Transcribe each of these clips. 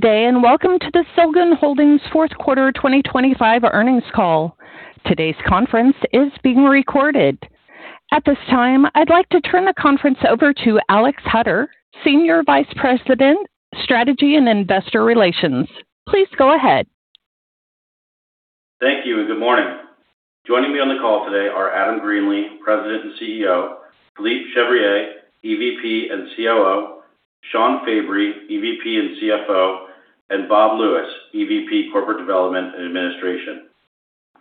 Good day, and welcome to the Silgan Holdings Fourth Quarter 2025 Earnings Call. Today's conference is being recorded. At this time, I'd like to turn the conference over to Alex Hutter, Senior Vice President, Strategy and Investor Relations. Please go ahead. Thank you, and good morning. Joining me on the call today are Adam Greenlee, President and CEO, Philippe Chevrier, EVP and COO, Sean Fabry, EVP and CFO, and Bob Lewis, EVP, Corporate Development and Administration.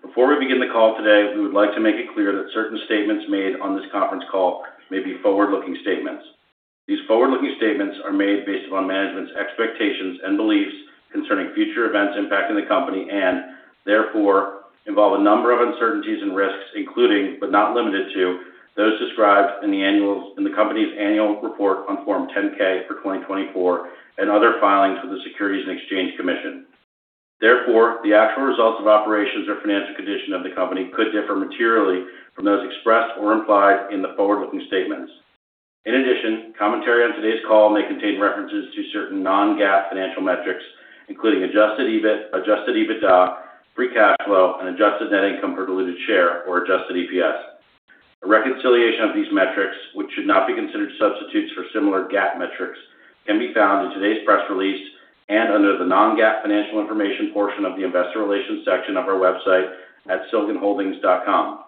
Before we begin the call today, we would like to make it clear that certain statements made on this conference call may be forward-looking statements. These forward-looking statements are made based upon management's expectations and beliefs concerning future events impacting the company, and therefore involve a number of uncertainties and risks, including, but not limited to, those described in the company's annual report on Form 10-K for 2024 and other filings with the Securities and Exchange Commission. Therefore, the actual results of operations or financial condition of the company could differ materially from those expressed or implied in the forward-looking statements. In addition, commentary on today's call may contain references to certain non-GAAP financial metrics, including adjusted EBIT, adjusted EBITDA, free cash flow, and adjusted net income per diluted share or adjusted EPS. A reconciliation of these metrics, which should not be considered substitutes for similar GAAP metrics, can be found in today's press release and under the Non-GAAP Financial Information portion of the Investor Relations section of our website at silganholdings.com.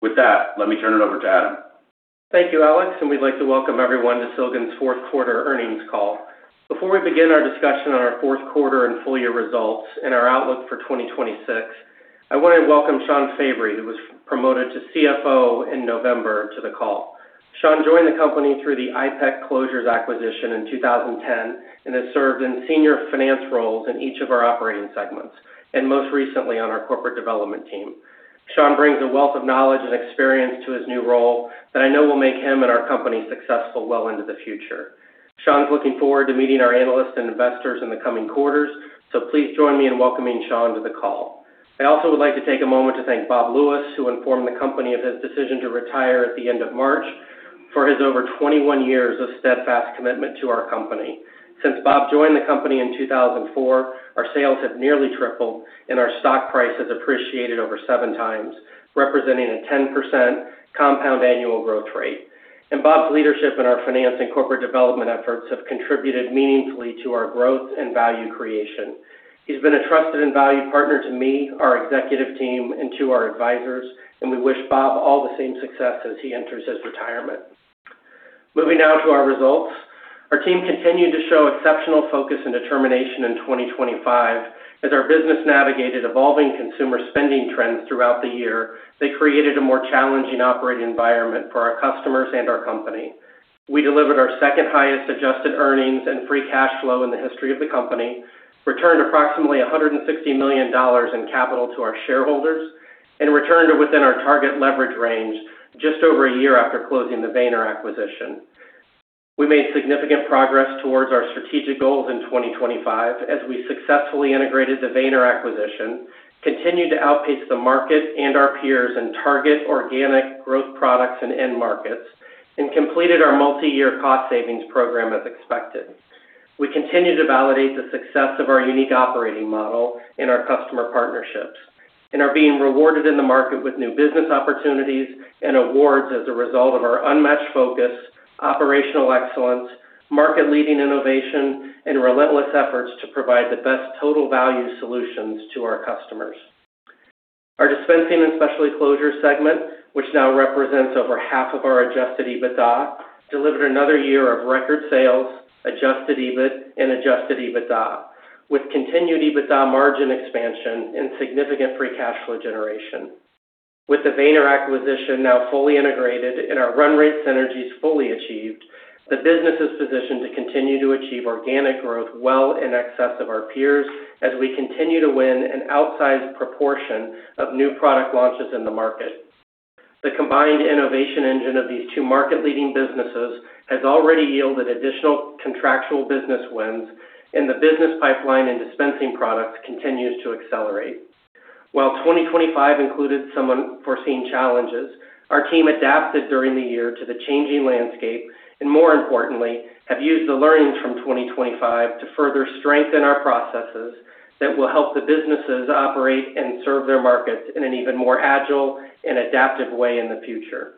With that, let me turn it over to Adam. Thank you, Alex, and we'd like to welcome everyone to Silgan's fourth quarter earnings call. Before we begin our discussion on our fourth quarter and full year results and our outlook for 2026, I want to welcome Sean Fabry, who was promoted to CFO in November, to the call. Sean joined the company through the IPEC Closures acquisition in 2010, and has served in senior finance roles in each of our operating segments, and most recently on our corporate development team. Sean brings a wealth of knowledge and experience to his new role that I know will make him and our company successful well into the future. Sean's looking forward to meeting our analysts and investors in the coming quarters, so please join me in welcoming Sean to the call. I also would like to take a moment to thank Bob Lewis, who informed the company of his decision to retire at the end of March, for his over 21 years of steadfast commitment to our company. Since Bob joined the company in 2004, our sales have nearly tripled and our stock price has appreciated over 7x, representing a 10% compound annual growth rate. And Bob's leadership in our finance and corporate development efforts have contributed meaningfully to our growth and value creation. He's been a trusted and valued partner to me, our executive team, and to our advisors, and we wish Bob all the same success as he enters his retirement. Moving now to our results. Our team continued to show exceptional focus and determination in 2025 as our business navigated evolving consumer spending trends throughout the year. They created a more challenging operating environment for our customers and our company. We delivered our second highest adjusted earnings and free cash flow in the history of the company, returned approximately $160 million in capital to our shareholders, and returned to within our target leverage range just over a year after closing the Weener acquisition. We made significant progress towards our strategic goals in 2025 as we successfully integrated the Weener acquisition, continued to outpace the market and our peers in target organic growth products and end markets, and completed our multi-year cost savings program as expected. We continue to validate the success of our unique operating model and our customer partnerships, and are being rewarded in the market with new business opportunities and awards as a result of our unmatched focus, operational excellence, market-leading innovation, and relentless efforts to provide the best total value solutions to our customers. Our Dispensing and Specialty Closures segment, which now represents over half of our Adjusted EBITDA, delivered another year of record sales, adjusted EBIT and Adjusted EBITDA, with continued EBITDA margin expansion and significant free cash flow generation. With the Weener acquisition now fully integrated and our run rate synergies fully achieved, the business is positioned to continue to achieve organic growth well in excess of our peers as we continue to win an outsized proportion of new product launches in the market. The combined innovation engine of these two market-leading businesses has already yielded additional contractual business wins, and the business pipeline and dispensing products continues to accelerate. While 2025 included some unforeseen challenges, our team adapted during the year to the changing landscape and, more importantly, have used the learnings from 2025 to further strengthen our processes that will help the businesses operate and serve their markets in an even more agile and adaptive way in the future.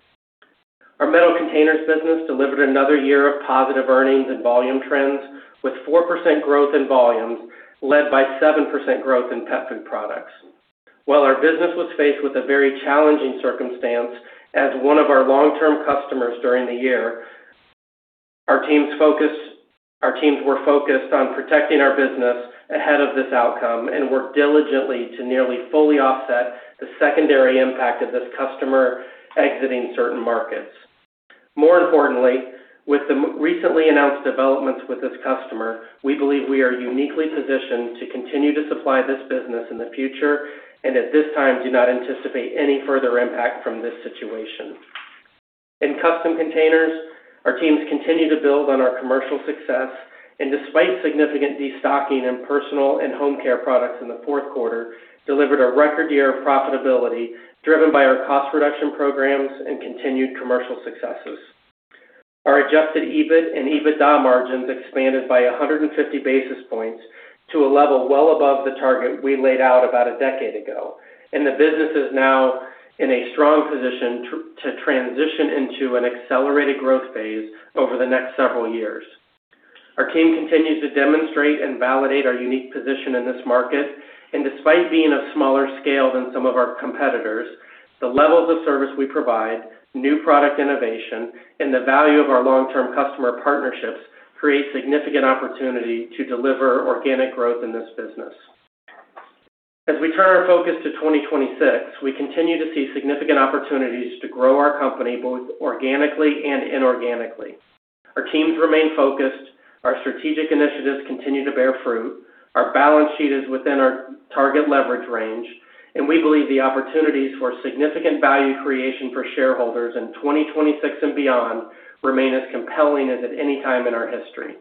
Our Metal Containers business delivered another year of positive earnings and volume trends, with 4% growth in volumes, led by 7% growth in pet food products. While our business was faced with a very challenging circumstance as one of our long-term customers during the year, our teams were focused on protecting our business ahead of this outcome and worked diligently to nearly fully offset the secondary impact of this customer exiting certain markets. More importantly, with the recently announced developments with this customer, we believe we are uniquely positioned to continue to supply this business in the future and at this time do not anticipate any further impact from this situation. In Custom Containers, our teams continue to build on our commercial success, and despite significant destocking in personal and home care products in the fourth quarter, delivered a record year of profitability, driven by our cost reduction programs and continued commercial successes... Our adjusted EBIT and EBITDA margins expanded by 150 basis points to a level well above the target we laid out about a decade ago, and the business is now in a strong position to transition into an accelerated growth phase over the next several years. Our team continues to demonstrate and validate our unique position in this market, and despite being a smaller scale than some of our competitors, the levels of service we provide, new product innovation, and the value of our long-term customer partnerships create significant opportunity to deliver organic growth in this business. As we turn our focus to 2026, we continue to see significant opportunities to grow our company, both organically and inorganically. Our teams remain focused, our strategic initiatives continue to bear fruit, our balance sheet is within our target leverage range, and we believe the opportunities for significant value creation for shareholders in 2026 and beyond remain as compelling as at any time in our history.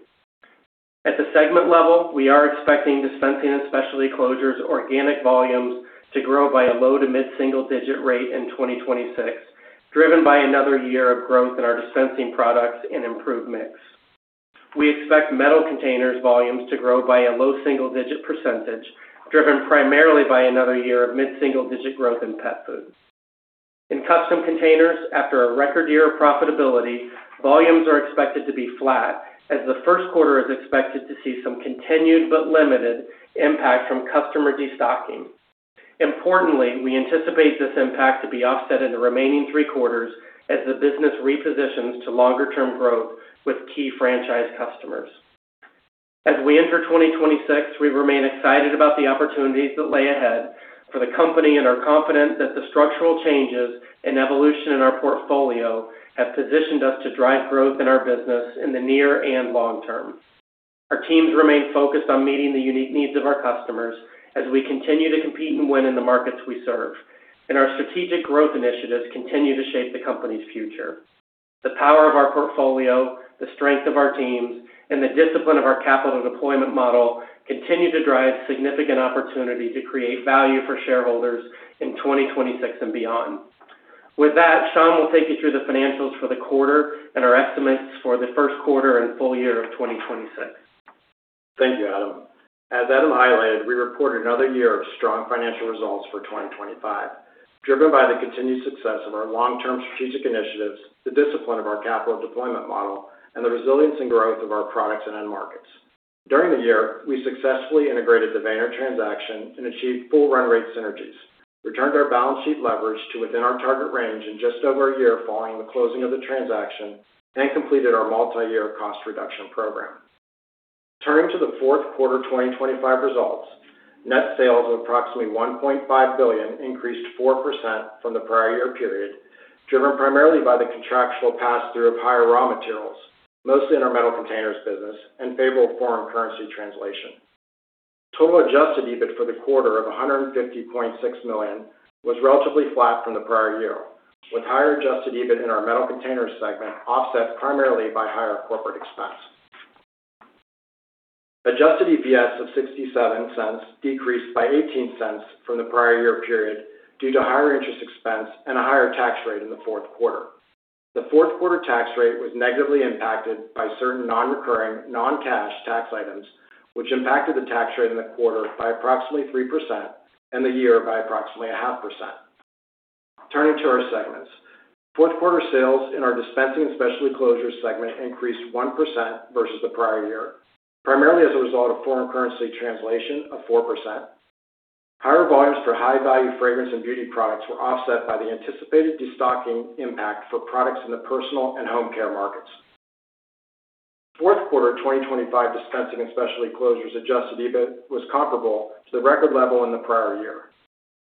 At the segment level, we are expecting Dispensing and Specialty Closures organic volumes to grow by a low to mid-single-digit rate in 2026, driven by another year of growth in our dispensing products and improved mix. We expect Metal Containers volumes to grow by a low single-digit percentage, driven primarily by another year of mid-single-digit growth in pet food. In Custom Containers, after a record year of profitability, volumes are expected to be flat, as the first quarter is expected to see some continued but limited impact from customer destocking. Importantly, we anticipate this impact to be offset in the remaining three quarters as the business repositions to longer-term growth with key franchise customers. As we enter 2026, we remain excited about the opportunities that lay ahead for the company and are confident that the structural changes and evolution in our portfolio have positioned us to drive growth in our business in the near and long term. Our teams remain focused on meeting the unique needs of our customers as we continue to compete and win in the markets we serve, and our strategic growth initiatives continue to shape the company's future. The power of our portfolio, the strength of our teams, and the discipline of our capital deployment model continue to drive significant opportunity to create value for shareholders in 2026 and beyond. With that, Sean will take you through the financials for the quarter and our estimates for the first quarter and full year of 2026. Thank you, Adam. As Adam highlighted, we reported another year of strong financial results for 2025, driven by the continued success of our long-term strategic initiatives, the discipline of our capital deployment model, and the resilience and growth of our products and end markets. During the year, we successfully integrated the Weener transaction and achieved full run rate synergies, returned our balance sheet leverage to within our target range in just over a year following the closing of the transaction, and completed our multiyear cost reduction program. Turning to the fourth quarter 2025 results, net sales of approximately $1.5 billion increased 4% from the prior year period, driven primarily by the contractual pass-through of higher raw materials, mostly in our Metal Containers business, and favorable foreign currency translation. Total adjusted EBIT for the quarter of $150.6 million was relatively flat from the prior year, with higher adjusted EBIT in our metal container segment, offset primarily by higher corporate expense. Adjusted EPS of $0.67 decreased by $0.18 from the prior year period due to higher interest expense and a higher tax rate in the fourth quarter. The fourth quarter tax rate was negatively impacted by certain non-recurring, non-cash tax items, which impacted the tax rate in the quarter by approximately 3% and the year by approximately 0.5%. Turning to our segments. Fourth quarter sales in our Dispensing and Specialty Closures segment increased 1% versus the prior year, primarily as a result of foreign currency translation of 4%. Higher volumes for high-value fragrance and beauty products were offset by the anticipated destocking impact for products in the personal and home care markets. Fourth quarter 2025 Dispensing and Specialty Closures Adjusted EBIT was comparable to the record level in the prior year.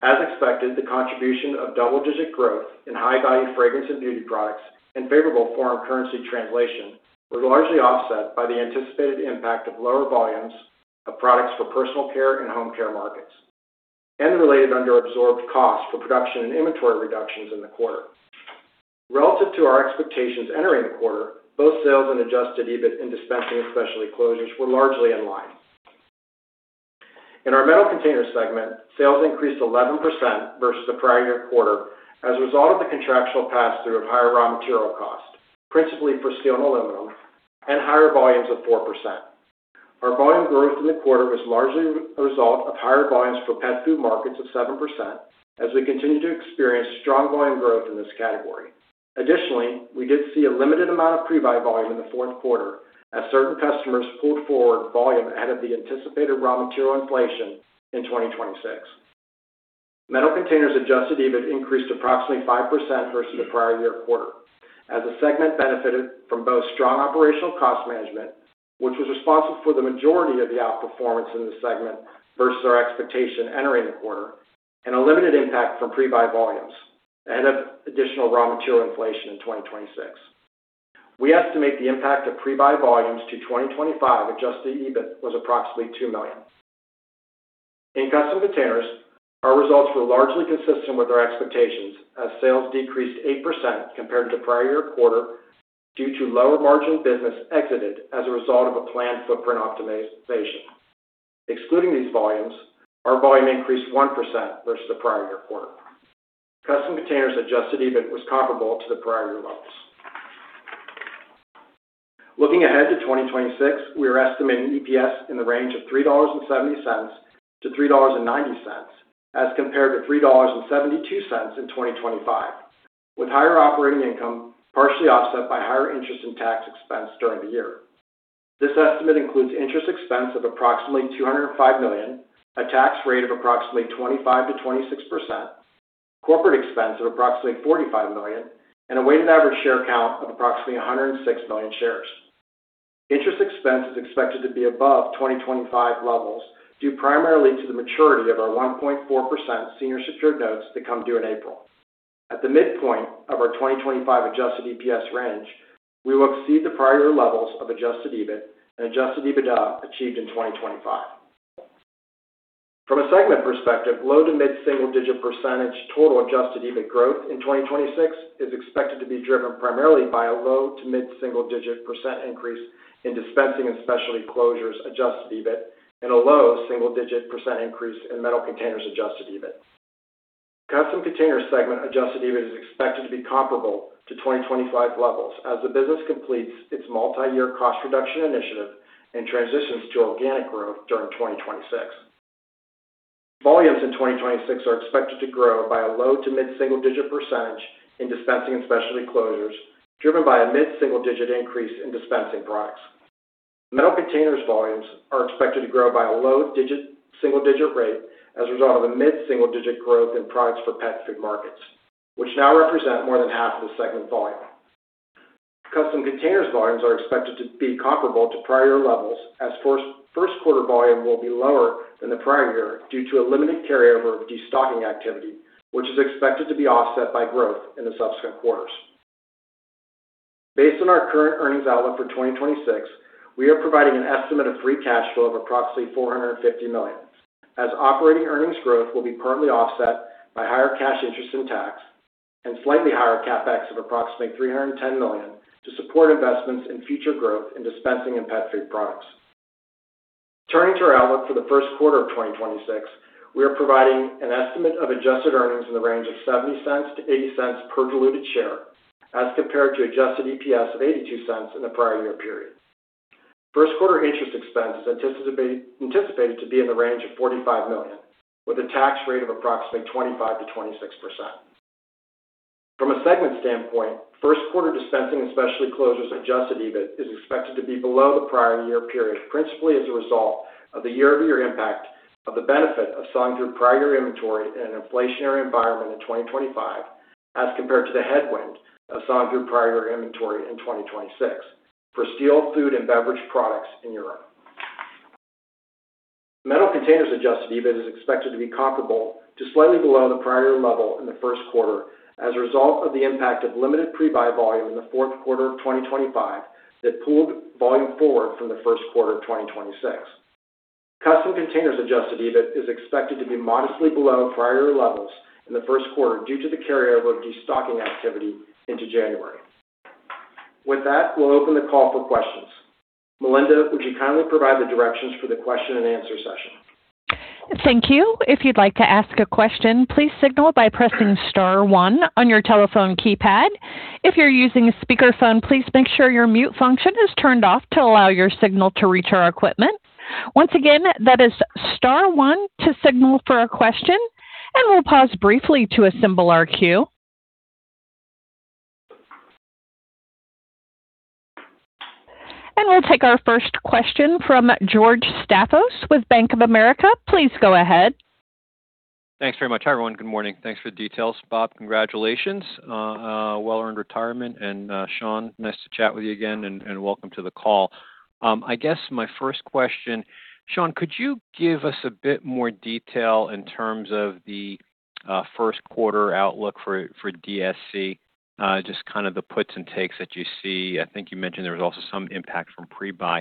As expected, the contribution of double-digit growth in high-value fragrance and beauty products and favorable foreign currency translation were largely offset by the anticipated impact of lower volumes of products for personal care and home care markets, and the related under-absorbed costs for production and inventory reductions in the quarter. Relative to our expectations entering the quarter, both sales and Adjusted EBIT in Dispensing and Specialty Closures were largely in line. In our Metal Containers segment, sales increased 11% versus the prior year quarter as a result of the contractual pass-through of higher raw material costs, principally for steel and aluminum, and higher volumes of 4%. Our volume growth in the quarter was largely a result of higher volumes for pet food markets of 7%, as we continue to experience strong volume growth in this category. Additionally, we did see a limited amount of pre-buy volume in the fourth quarter as certain customers pulled forward volume ahead of the anticipated raw material inflation in 2026. Metal Containers Adjusted EBIT increased approximately 5% versus the prior year quarter, as the segment benefited from both strong operational cost management, which was responsible for the majority of the outperformance in the segment versus our expectation entering the quarter, and a limited impact from pre-buy volumes and of additional raw material inflation in 2026. We estimate the impact of pre-buy volumes to 2025 Adjusted EBIT was approximately $2 million. In Custom Containers, our results were largely consistent with our expectations, as sales decreased 8% compared to the prior year quarter due to lower margin business exited as a result of a planned footprint optimization. Excluding these volumes, our volume increased 1% versus the prior year quarter.... Custom Containers Adjusted EBIT was comparable to the prior year levels. Looking ahead to 2026, we are estimating EPS in the range of $3.70-$3.90, as compared to $3.72 in 2025, with higher operating income partially offset by higher interest and tax expense during the year. This estimate includes interest expense of approximately $205 million, a tax rate of approximately 25%-26%, corporate expense of approximately $45 million, and a weighted average share count of approximately 106 million shares. Interest expense is expected to be above 2025 levels, due primarily to the maturity of our 1.4% senior secured notes that come due in April. At the midpoint of our 2025 Adjusted EPS range, we will exceed the prior year levels of Adjusted EBIT and Adjusted EBITDA achieved in 2025. From a segment perspective, low- to mid-single-digit percent total adjusted EBIT growth in 2026 is expected to be driven primarily by a low- to mid-single-digit percent increase in Dispensing and Specialty Closures adjusted EBIT, and a low single-digit percent increase in Metal Containers adjusted EBIT. Custom Containers segment adjusted EBIT is expected to be comparable to 2025 levels as the business completes its multiyear cost reduction initiative and transitions to organic growth during 2026. Volumes in 2026 are expected to grow by a low- to mid-single-digit percent in Dispensing and Specialty Closures, driven by a mid-single-digit increase in dispensing products. Metal containers volumes are expected to grow by a low single-digit rate as a result of a mid-single-digit growth in products for pet food markets, which now represent more than half of the segment volume. Custom Containers volumes are expected to be comparable to prior levels, as first quarter volume will be lower than the prior year due to a limited carryover of destocking activity, which is expected to be offset by growth in the subsequent quarters. Based on our current earnings outlook for 2026, we are providing an estimate of free cash flow of approximately $450 million, as operating earnings growth will be currently offset by higher cash interest and tax, and slightly higher CapEx of approximately $310 million to support investments in future growth in dispensing and pet food products. Turning to our outlook for the first quarter of 2026, we are providing an estimate of adjusted earnings in the range of $0.70-$0.80 per diluted share, as compared to Adjusted EPS of $0.82 in the prior year period. First quarter interest expense is anticipated to be in the range of $45 million, with a tax rate of approximately 25%-26%. From a segment standpoint, first quarter Dispensing and Specialty Closures adjusted EBIT is expected to be below the prior year period, principally as a result of the year-over-year impact of the benefit of selling through prior year inventory in an inflationary environment in 2025, as compared to the headwind of selling through prior year inventory in 2026 for steel, food, and beverage products in Europe. Metal Containers adjusted EBIT is expected to be comparable to slightly below the prior year level in the first quarter as a result of the impact of limited pre-buy volume in the fourth quarter of 2025 that pulled volume forward from the first quarter of 2026. Custom Containers Adjusted EBIT is expected to be modestly below prior year levels in the first quarter due to the carryover of destocking activity into January. With that, we'll open the call for questions. Melinda, would you kindly provide the directions for the question and answer session? Thank you. If you'd like to ask a question, please signal by pressing star one on your telephone keypad. If you're using a speakerphone, please make sure your mute function is turned off to allow your signal to reach our equipment. Once again, that is star one to signal for a question, and we'll pause briefly to assemble our queue. We'll take our first question from George Staphos with Bank of America. Please go ahead. Thanks very much, everyone. Good morning. Thanks for the details, Bob. Congratulations on a well-earned retirement, and Sean, nice to chat with you again, and welcome to the call. I guess my first question, Sean, could you give us a bit more detail in terms of the first quarter outlook for DSC? Just kind of the puts and takes that you see. I think you mentioned there was also some impact from pre-buy.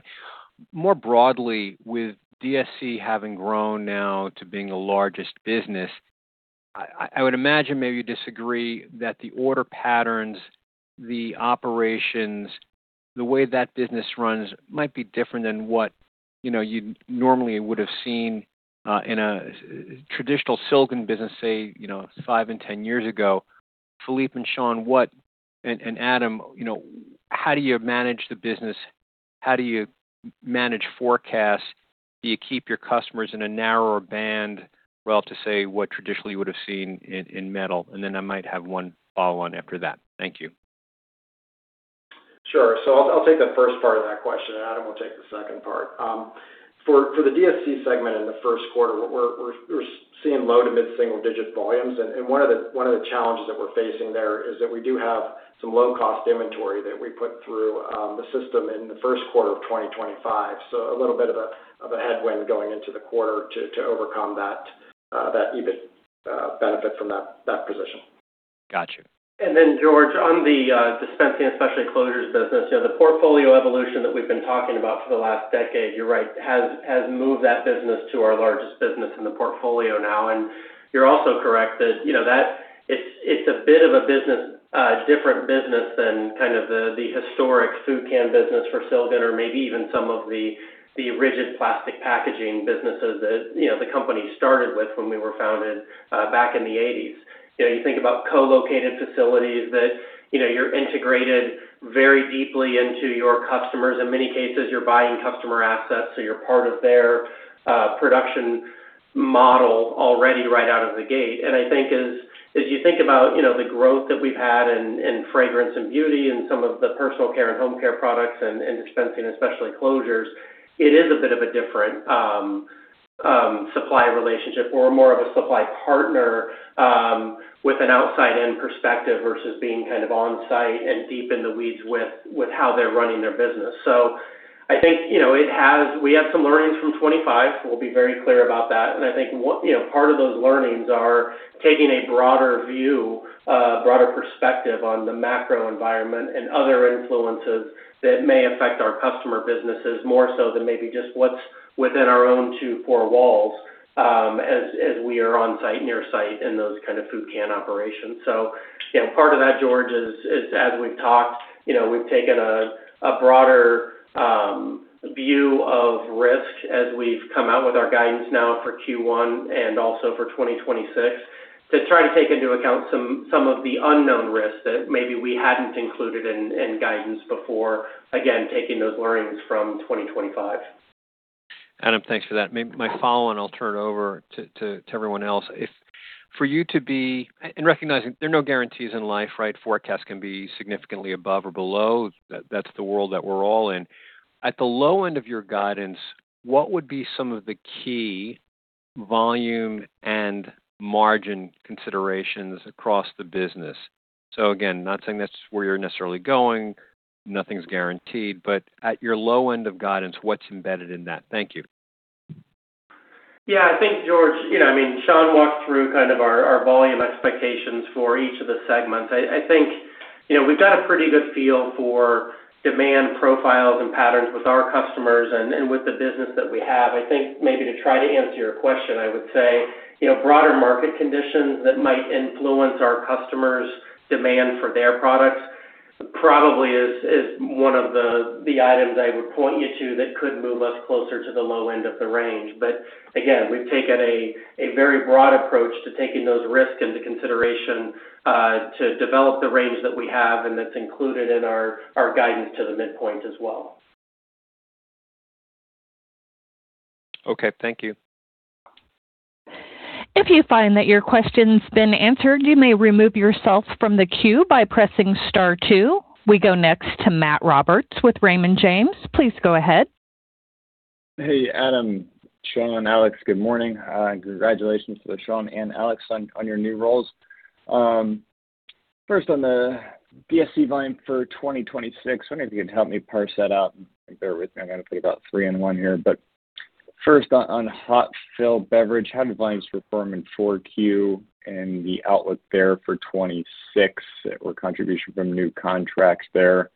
More broadly, with DSC having grown now to being the largest business, I would imagine maybe you disagree, that the order patterns, the operations, the way that business runs might be different than what you know you normally would have seen in a traditional Silgan business, say you know five and 10 years ago. Philippe and Sean, and Adam, you know, how do you manage the business? How do you manage forecasts? Do you keep your customers in a narrower band, well, to say, what traditionally you would have seen in metal? And then I might have one follow on after that. Thank you. Sure. So I'll take the first part of that question, and Adam will take the second part. For the DSC segment in the first quarter, we're seeing low- to mid-single-digit volumes, and one of the challenges that we're facing there is that we do have some low-cost inventory that we put through the system in the first quarter of 2025. So a little bit of a headwind going into the quarter to overcome that EBIT benefit from that position. Gotcha. And then, George, on the dispensing, especially closures business, you know, the portfolio evolution that we've been talking about for the last decade, you're right, has moved that business to our largest business in the portfolio now, and you're also correct that, you know, that it's a bit of a business - different business than kind of the historic food can business for Silgan or maybe even some of the rigid plastic packaging businesses that, you know, the company started with when we were founded back in the eighties. You know, you think about co-located facilities that, you know, you're integrated very deeply into your customers, in many cases, you're buying customer assets, so you're part of their production model already right out of the gate. I think as you think about, you know, the growth that we've had in fragrance and beauty and some of the personal care and home care products and dispensing, especially closures, it is a bit of a different supply relationship or more of a supply partner with an outside-in perspective, versus being kind of on-site and deep in the weeds with how they're running their business. So I think, you know, it has. We had some learnings from 2025, we'll be very clear about that. I think one, you know, part of those learnings are taking a broader view, broader perspective on the macro environment and other influences that may affect our customer businesses, more so than maybe just what's within our own four walls, as we are on site, near site, in those kind of food can operations. You know, part of that, George, is, as we've talked, you know, we've taken a broader view of risk as we've come out with our guidance now for Q1 and also for 2026, to try to take into account some of the unknown risks that maybe we hadn't included in guidance before, again, taking those learnings from 2025. Adam, thanks for that. My follow-on, I'll turn it over to everyone else. And recognizing there are no guarantees in life, right? Forecasts can be significantly above or below. That's the world that we're all in. At the low end of your guidance, what would be some of the key volume and margin considerations across the business? So again, not saying that's where you're necessarily going, nothing's guaranteed, but at your low end of guidance, what's embedded in that? Thank you. Yeah, I think, George, you know, I mean, Sean walked through kind of our volume expectations for each of the segments. I think, you know, we've got a pretty good feel for demand profiles and patterns with our customers and with the business that we have. I think maybe to try to answer your question, I would say, you know, broader market conditions that might influence our customers' demand for their products probably is one of the items I would point you to that could move us closer to the low end of the range. But again, we've taken a very broad approach to taking those risks into consideration to develop the range that we have, and that's included in our guidance to the midpoint as well. Okay, thank you. If you find that your question's been answered, you may remove yourself from the queue by pressing star two. We go next to Matt Roberts with Raymond James. Please go ahead. Hey, Adam, Sean, Alex, good morning. Congratulations to Sean and Alex on your new roles. First, on the DSC volume for 2026, I wonder if you could help me parse that out and bear with me. I'm gonna play about three in one here. But first, on hot fill beverage, how did volumes perform in 4Q and the outlook there for 2026 or contribution from new contracts there?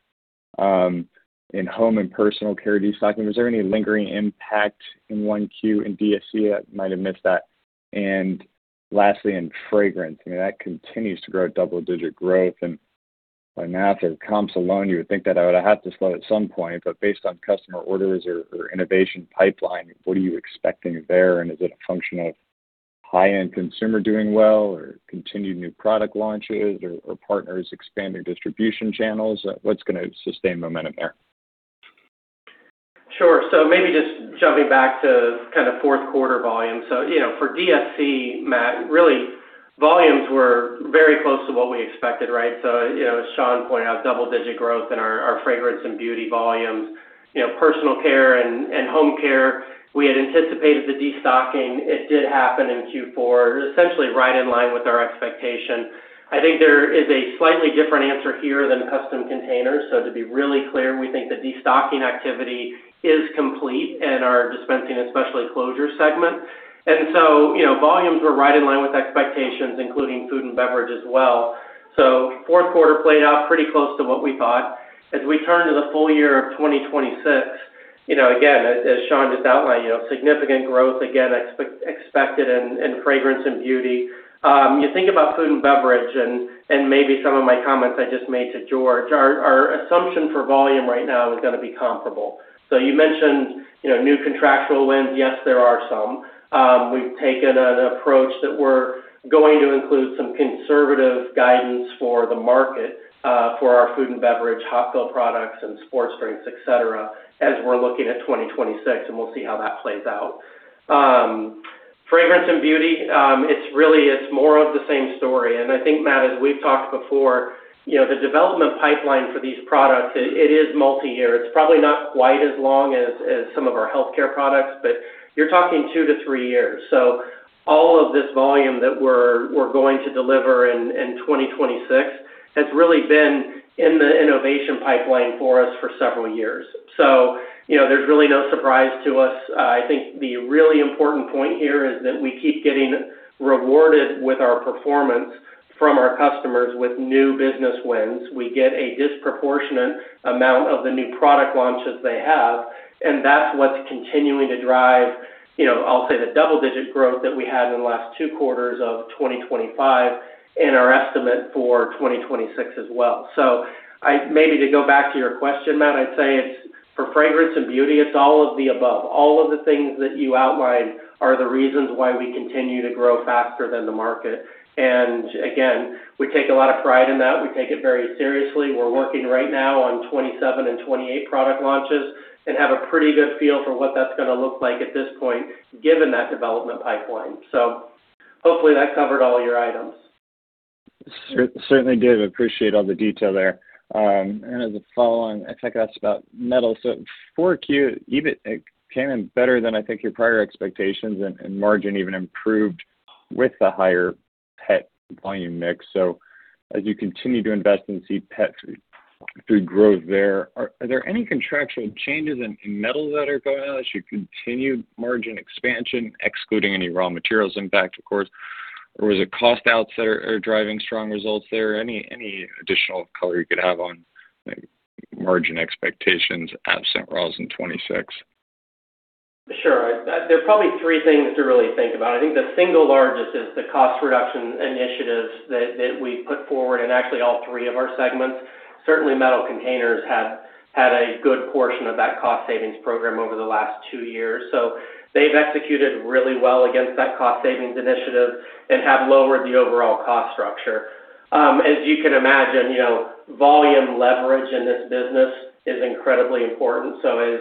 In home and personal care destocking, was there any lingering impact in 1Q in DSC? I might have missed that. And lastly, in fragrance, I mean, that continues to grow at double-digit growth, and by math or comps alone, you would think that I would have to slow at some point, but based on customer orders or innovation pipeline, what are you expecting there? Is it a function of high-end consumer doing well, or continued new product launches, or partners expanding distribution channels? What's gonna sustain momentum there? Sure. So maybe just jumping back to kind of fourth quarter volume. So, you know, for DSC, Matt, really, volumes were very close to what we expected, right? So, you know, as Sean pointed out, double-digit growth in our fragrance and beauty volumes. You know, personal care and home care, we had anticipated the destocking. It did happen in Q4, essentially right in line with our expectation. I think there is a slightly different answer here than Custom Containers. So to be really clear, we think the destocking activity is complete in our dispensing, especially closure segment. And so, you know, volumes were right in line with expectations, including food and beverage as well. So fourth quarter played out pretty close to what we thought. As we turn to the full year of 2026, you know, again, as Sean just outlined, you know, significant growth, again, expected in fragrance and beauty. You think about food and beverage and maybe some of my comments I just made to George, our assumption for volume right now is gonna be comparable. So you mentioned, you know, new contractual wins. Yes, there are some. We've taken an approach that we're going to include some conservative guidance for the market for our food and beverage, hot fill products, and sports drinks, et cetera, as we're looking at 2026, and we'll see how that plays out. Fragrance and beauty, it's really, it's more of the same story. And I think, Matt, as we've talked before, you know, the development pipeline for these products, it is multiyear. It's probably not quite as long as some of our healthcare products, but you're talking two-three years. So all of this volume that we're going to deliver in 2026 has really been in the innovation pipeline for us for several years. So you know, there's really no surprise to us. I think the really important point here is that we keep getting rewarded with our performance from our customers with new business wins. We get a disproportionate amount of the new product launches they have, and that's what's continuing to drive, you know, I'll say, the double-digit growth that we had in the last two quarters of 2025 and our estimate for 2026 as well. So, maybe to go back to your question, Matt, I'd say it's... For fragrance and beauty, it's all of the above. All of the things that you outlined are the reasons why we continue to grow faster than the market. Again, we take a lot of pride in that. We take it very seriously. We're working right now on 27 and 28 product launches and have a pretty good feel for what that's gonna look like at this point, given that development pipeline. So hopefully, that covered all your items. It certainly did. Appreciate all the detail there. And as a follow-on, I'd like to ask about metal. So 4Q, EBIT came in better than I think your prior expectations, and margin even improved with the higher pet volume mix. So as you continue to invest and see pet food growth there, are there any contractual changes in metal that are going on as you continue margin expansion, excluding any raw materials impact, of course? Or was it cost outs that are driving strong results there? Any additional color you could have on, like, margin expectations, absent raws in 2026? Sure. There are probably three things to really think about. I think the single largest is the cost reduction initiatives that we put forward in actually all three of our segments. Certainly, Metal Containers have had a good portion of that cost savings program over the last two years. So they've executed really well against that cost savings initiative and have lowered the overall cost structure. As you can imagine, you know, volume leverage in this business is incredibly important. So as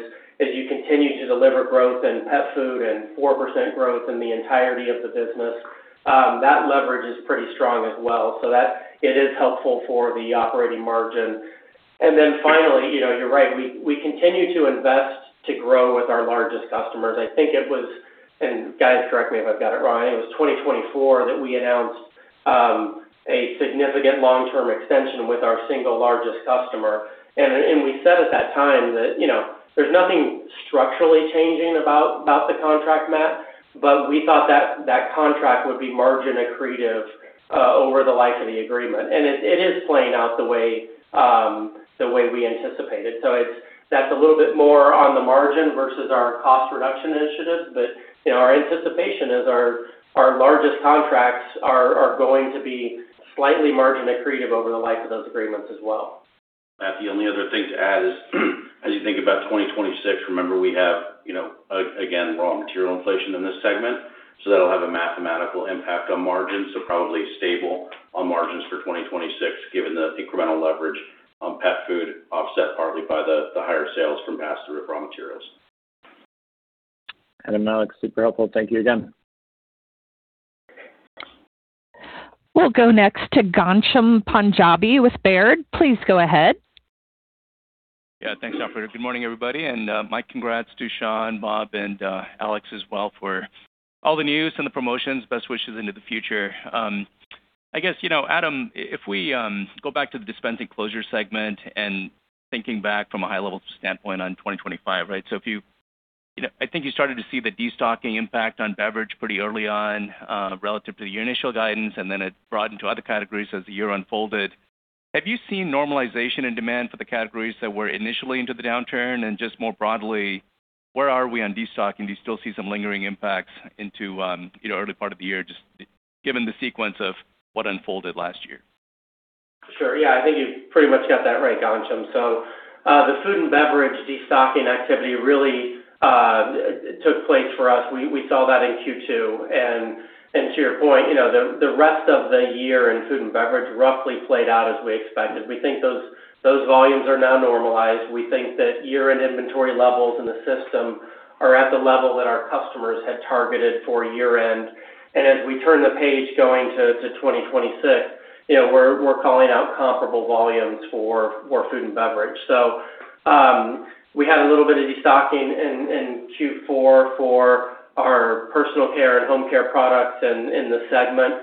you continue to deliver growth in pet food and 4% growth in the entirety of the business, that leverage is pretty strong as well. So that it is helpful for the operating margin. And then finally, you know, you're right, we continue to invest to grow with our largest customers. I think it was, and guys, correct me if I've got it wrong, it was 2024 that we announced a significant long-term extension with our single largest customer. And we said at that time that, you know, there's nothing structurally changing about the contract, Matt, but we thought that that contract would be margin accretive over the life of the agreement. And it is playing out the way we anticipated. So it's, that's a little bit more on the margin versus our cost reduction initiative. But, you know, our anticipation is our largest contracts are going to be slightly margin accretive over the life of those agreements as well. Matt, the only other thing to add is, as you think about 2026, remember, we have, you know, again, raw material inflation in this segment, so that'll have a mathematical impact on margins. So probably stable on margins for 2026, given the incremental leverage on pet food, offset partly by the, the higher sales from pass-through of raw materials. Adam, Alex, super helpful. Thank you again. We'll go next to Ghansham Panjabi with Baird. Please go ahead. Yeah, thanks, operator. Good morning, everybody, and my congrats to Sean, Bob, and Alex as well, for all the news and the promotions. Best wishes into the future. I guess, you know, Adam, if we go back to the Dispensing Closure segment and thinking back from a high-level standpoint on 2025, right? So if you. You know, I think you started to see the destocking impact on beverage pretty early on, relative to your initial guidance, and then it broadened to other categories as the year unfolded. Have you seen normalization in demand for the categories that were initially into the downturn? And just more broadly, where are we on destocking? Do you still see some lingering impacts into, you know, early part of the year, just given the sequence of what unfolded last year? Sure. Yeah, I think you've pretty much got that right, Ghansham. So, the food and beverage destocking activity really took place for us. We saw that in Q2, and to your point, you know, the rest of the year in food and beverage roughly played out as we expected. We think those volumes are now normalized. We think that year-end inventory levels in the system are at the level that our customers had targeted for year-end. And as we turn the page going to 2026, you know, we're calling out comparable volumes for food and beverage. So, we had a little bit of destocking in Q4 for our personal care and home care products in the segment.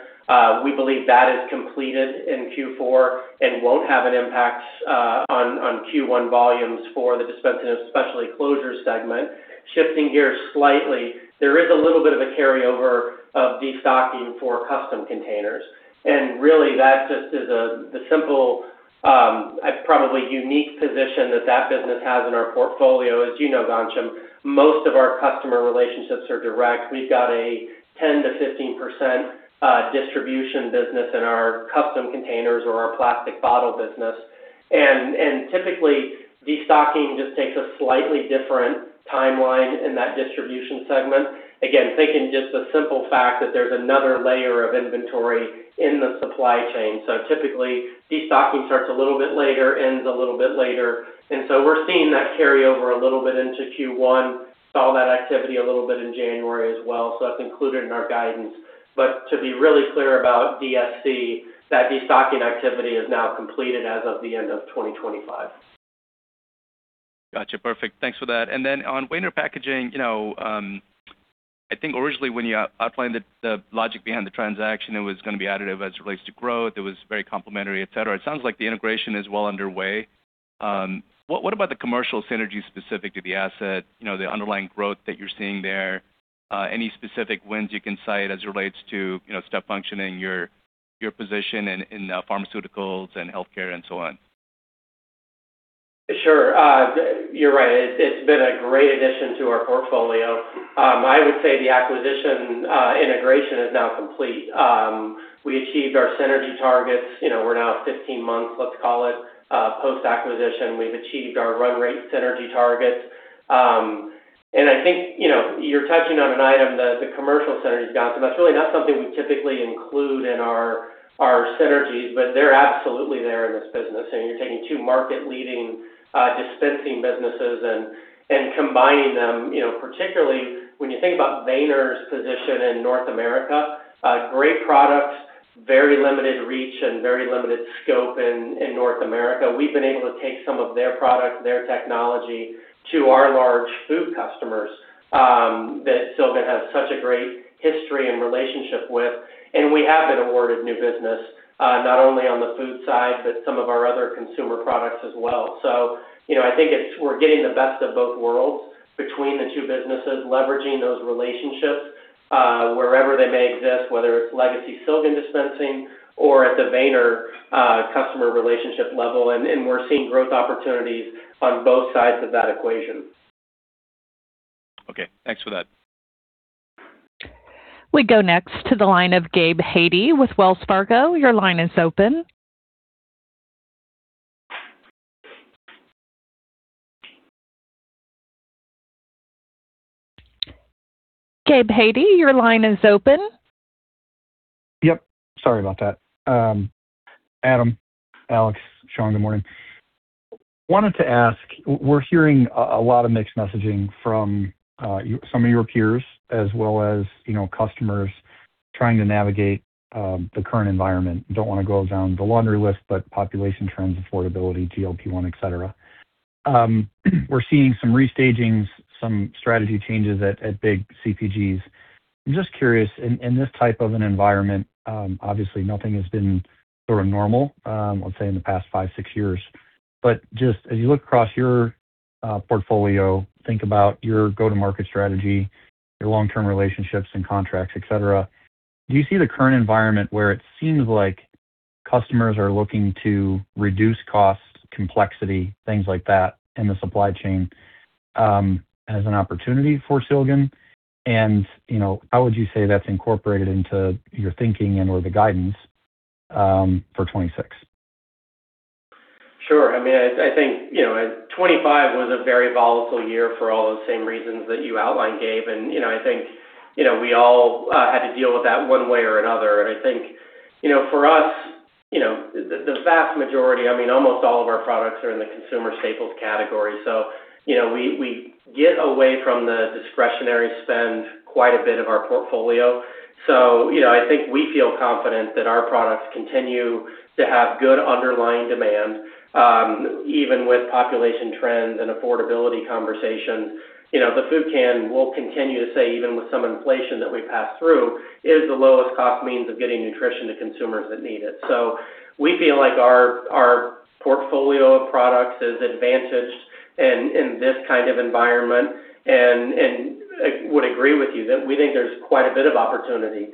We believe that is completed in Q4 and won't have an impact on Q1 volumes for the Dispensing and Specialty Closures segment. Shifting gears slightly, there is a little bit of a carryover of destocking for Custom Containers, and really, that just is a, the simple, probably unique position that that business has in our portfolio. As you know, Ghansham, most of our customer relationships are direct. We've got a 10%-15% distribution business in our Custom Containers or our plastic bottle business. And typically, destocking just takes a slightly different timeline in that distribution segment. Again, thinking just the simple fact that there's another layer of inventory in the supply chain. So typically, destocking starts a little bit later, ends a little bit later, and so we're seeing that carry over a little bit into Q1, saw that activity a little bit in January as well, so that's included in our guidance. But to be really clear about DSC, that destocking activity is now completed as of the end of 2025. Gotcha. Perfect. Thanks for that. And then on Weener Packaging, you know, I think originally when you outlined the, the logic behind the transaction, it was gonna be additive as it relates to growth. It was very complementary, et cetera. It sounds like the integration is well underway. What, what about the commercial synergy specific to the asset, you know, the underlying growth that you're seeing there? Any specific wins you can cite as it relates to, you know, step functioning, your, your position in, in, pharmaceuticals and healthcare and so on? Sure. You're right. It's been a great addition to our portfolio. I would say the acquisition integration is now complete. We achieved our synergy targets. You know, we're now 15 months, let's call it, post-acquisition. We've achieved our run rate synergy targets. And I think, you know, you're touching on an item that the commercial synergies got, and that's really not something we typically include in our synergies, but they're absolutely there in this business. And you're taking two market leading dispensing businesses and combining them, you know, particularly when you think about Weener's position in North America, great product, very limited reach, and very limited scope in North America. We've been able to take some of their product, their technology, to our large food customers that Silgan has such a great history and relationship with. We have been awarded new business, not only on the food side, but some of our other consumer products as well. So, you know, I think it's, we're getting the best of both worlds between the two businesses, leveraging those relationships, wherever they may exist, whether it's legacy Silgan dispensing or at the Weener customer relationship level, and we're seeing growth opportunities on both sides of that equation. Okay, thanks for that. We go next to the line of Gabe Hajde with Wells Fargo. Your line is open. Gabe Hajde, your line is open. Yep, sorry about that. Adam, Alex, Sean, good morning. Wanted to ask, we're hearing a lot of mixed messaging from some of your peers as well as, you know, customers trying to navigate the current environment. Don't want to go down the laundry list, but population trends, affordability, GLP-1, et cetera. We're seeing some restagings, some strategy changes at big CPGs. I'm just curious, in this type of an environment, obviously, nothing has been sort of normal, let's say, in the past five, six years. But just as you look across your portfolio, think about your go-to-market strategy, your long-term relationships and contracts, et cetera, do you see the current environment where it seems like customers are looking to reduce costs, complexity, things like that, in the supply chain as an opportunity for Silgan? You know, how would you say that's incorporated into your thinking and/or the guidance for 2026? Sure. I mean, I think, you know, 2025 was a very volatile year for all those same reasons that you outlined, Gabe. And, you know, I think, you know, we all had to deal with that one way or another. And I think, you know, for us, you know, the vast majority, I mean, almost all of our products are in the consumer staples category. So, you know, we, we get away from the discretionary spend quite a bit of our portfolio. So, you know, I think we feel confident that our products continue to have good underlying demand, even with population trends and affordability conversations. You know, the food can, we'll continue to say, even with some inflation that we pass through, is the lowest cost means of getting nutrition to consumers that need it. So we feel like our portfolio of products is advantaged in this kind of environment, and I would agree with you that we think there's quite a bit of opportunity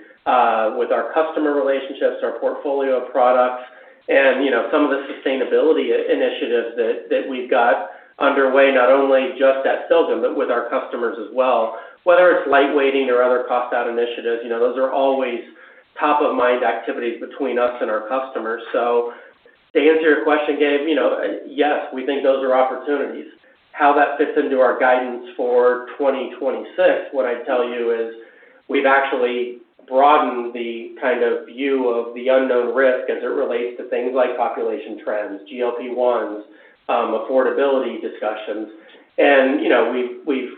with our customer relationships, our portfolio of products, and, you know, some of the sustainability initiatives that we've got underway, not only just at Silgan, but with our customers as well. Whether it's light weighting or other cost out initiatives, you know, those are always top of mind activities between us and our customers. So to answer your question, Gabe, you know, yes, we think those are opportunities. How that fits into our guidance for 2026, what I'd tell you is, we've actually broadened the kind of view of the unknown risk as it relates to things like population trends, GLP-1s, affordability discussions. And, you know, we've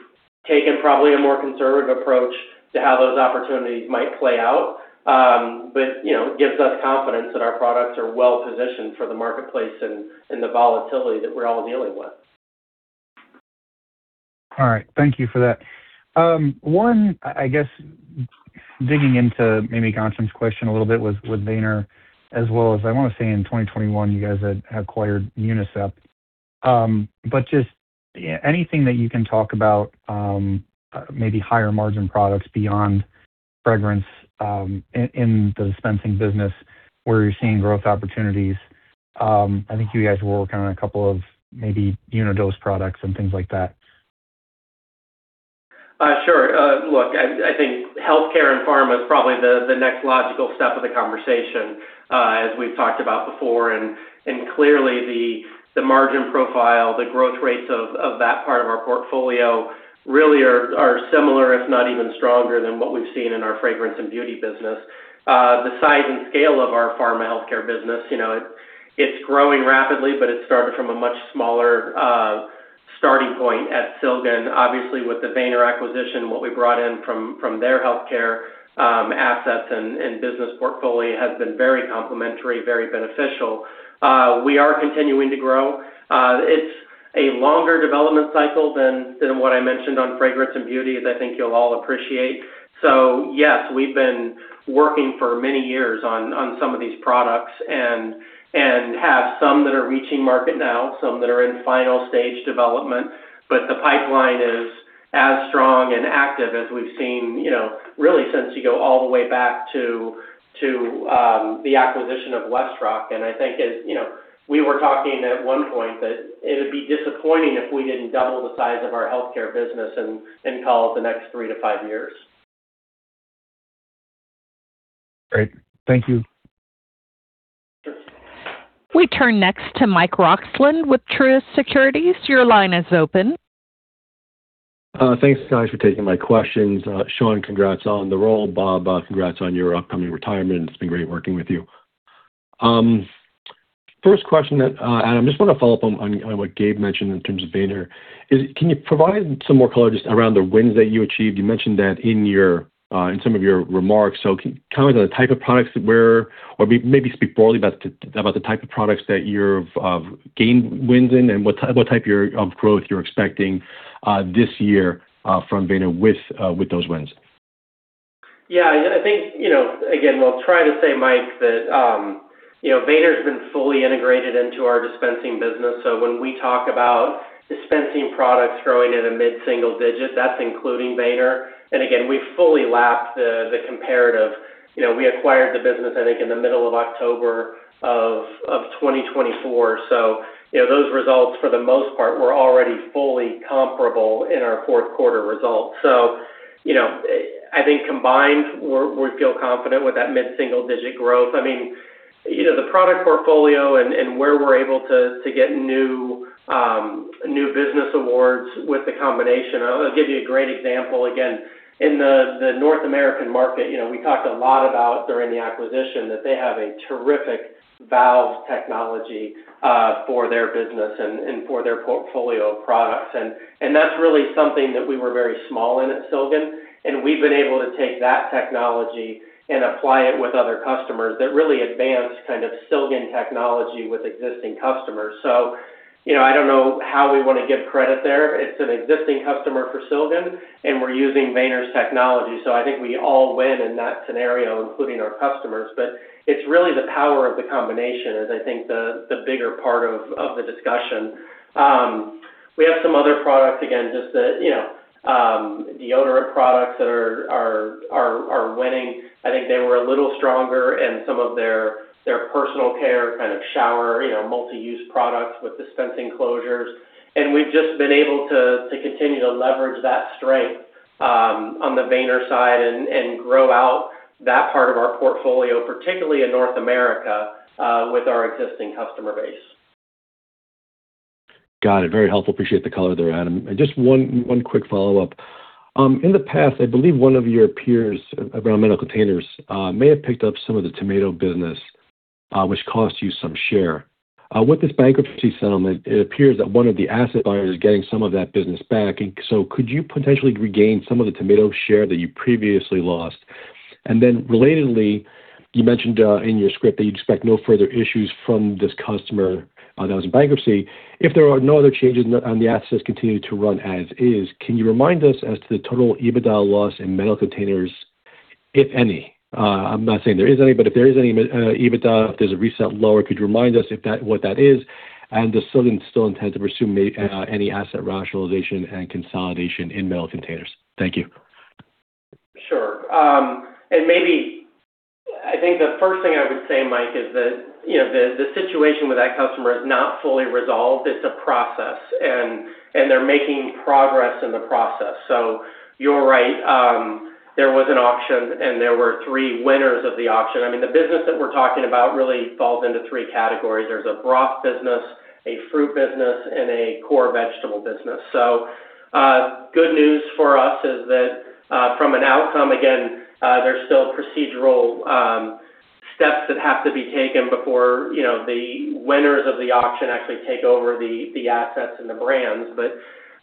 taken probably a more conservative approach to how those opportunities might play out. But, you know, it gives us confidence that our products are well positioned for the marketplace and the volatility that we're all dealing with. All right, thank you for that. One, I guess, digging into maybe Ghansham's question a little bit with Weener, as well as I want to say, in 2021, you guys had acquired Unicep. But just anything that you can talk about, maybe higher margin products beyond fragrance, in the dispensing business where you're seeing growth opportunities? I think you guys were working on a couple of maybe unidose products and things like that. Sure. Look, I think healthcare and pharma is probably the next logical step of the conversation, as we've talked about before. And clearly, the margin profile, the growth rates of that part of our portfolio really are similar, if not even stronger than what we've seen in our fragrance and beauty business. The size and scale of our pharma healthcare business, you know, it's growing rapidly, but it started from a much smaller starting point at Silgan. Obviously, with the Weener acquisition, what we brought in from their healthcare assets and business portfolio has been very complementary, very beneficial. We are continuing to grow. It's a longer development cycle than what I mentioned on fragrance and beauty, as I think you'll all appreciate. So yes, we've been working for many years on some of these products and have some that are reaching market now, some that are in final stage development. But the pipeline is as strong and active as we've seen, you know, really, since you go all the way back to the acquisition of WestRock. And I think as, you know, we were talking at one point that it would be disappointing if we didn't double the size of our healthcare business in call it, the next three to five years.... Great. Thank you. We turn next to Mike Roxland with Truist Securities. Your line is open. Thanks, guys, for taking my questions. Sean, congrats on the role. Bob, congrats on your upcoming retirement. It's been great working with you. First question, Adam, I just want to follow up on what Gabe mentioned in terms of Weener. Can you provide some more color just around the wins that you achieved? You mentioned that in your in some of your remarks. So comment on the type of products that were, or maybe speak broadly about the type of products that you're gained wins in and what type of your growth you're expecting this year from Weener with those wins. Yeah, I, I think, you know, again, we'll try to say, Mike, that, you know, Weener's been fully integrated into our dispensing business. So when we talk about dispensing products growing at a mid-single-digit, that's including Weener. And again, we fully lapped the comparative. You know, we acquired the business, I think, in the middle of October of 2024. So, you know, those results, for the most part, were already fully comparable in our fourth quarter results. So, you know, I think combined, we feel confident with that mid-single-digit growth. I mean, you know, the product portfolio and where we're able to get new business awards with the combination. I'm gonna give you a great example. Again, in the North American market, you know, we talked a lot about during the acquisition, that they have a terrific valve technology for their business and for their portfolio of products. And that's really something that we were very small in at Silgan, and we've been able to take that technology and apply it with other customers that really advanced kind of Silgan technology with existing customers. So, you know, I don't know how we want to give credit there. It's an existing customer for Silgan, and we're using Weener's technology, so I think we all win in that scenario, including our customers. But it's really the power of the combination is, I think, the bigger part of the discussion. We have some other products, again, just that, you know, deodorant products that are winning. I think they were a little stronger in some of their personal care, kind of shower, you know, multi-use products with dispensing closures. And we've just been able to continue to leverage that strength on the Weener side and grow out that part of our portfolio, particularly in North America with our existing customer base. Got it. Very helpful. Appreciate the color there, Adam. And just one quick follow-up. In the past, I believe one of your peers around Metal Containers may have picked up some of the tomato business, which cost you some share. With this bankruptcy settlement, it appears that one of the asset buyers is getting some of that business back. And so could you potentially regain some of the tomato share that you previously lost? And then, relatedly, you mentioned in your script that you'd expect no further issues from this customer that was in bankruptcy. If there are no other changes and the assets continue to run as is, can you remind us as to the total EBITDA loss in Metal Containers, if any? I'm not saying there is any, but if there is any EBITDA, if there's a recent lower, could you remind us what that is, and does Silgan still intend to pursue any asset rationalization and consolidation in Metal Containers? Thank you. Sure. And maybe... I think the first thing I would say, Mike, is that, you know, the situation with that customer is not fully resolved. It's a process, and they're making progress in the process. So you're right, there was an auction, and there were three winners of the auction. I mean, the business that we're talking about really falls into three categories. There's a broth business, a fruit business, and a core vegetable business. So, good news for us is that, from an outcome, again, there's still procedural steps that have to be taken before, you know, the winners of the auction actually take over the assets and the brands. But,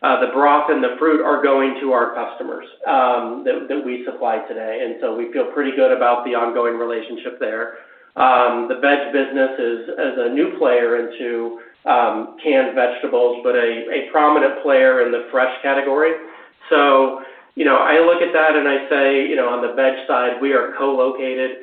the broth and the fruit are going to our customers that we supply today, and so we feel pretty good about the ongoing relationship there. The veg business is a new player into canned vegetables, but a prominent player in the fresh category. So, you know, I look at that and I say, you know, on the veg side, we are co-located.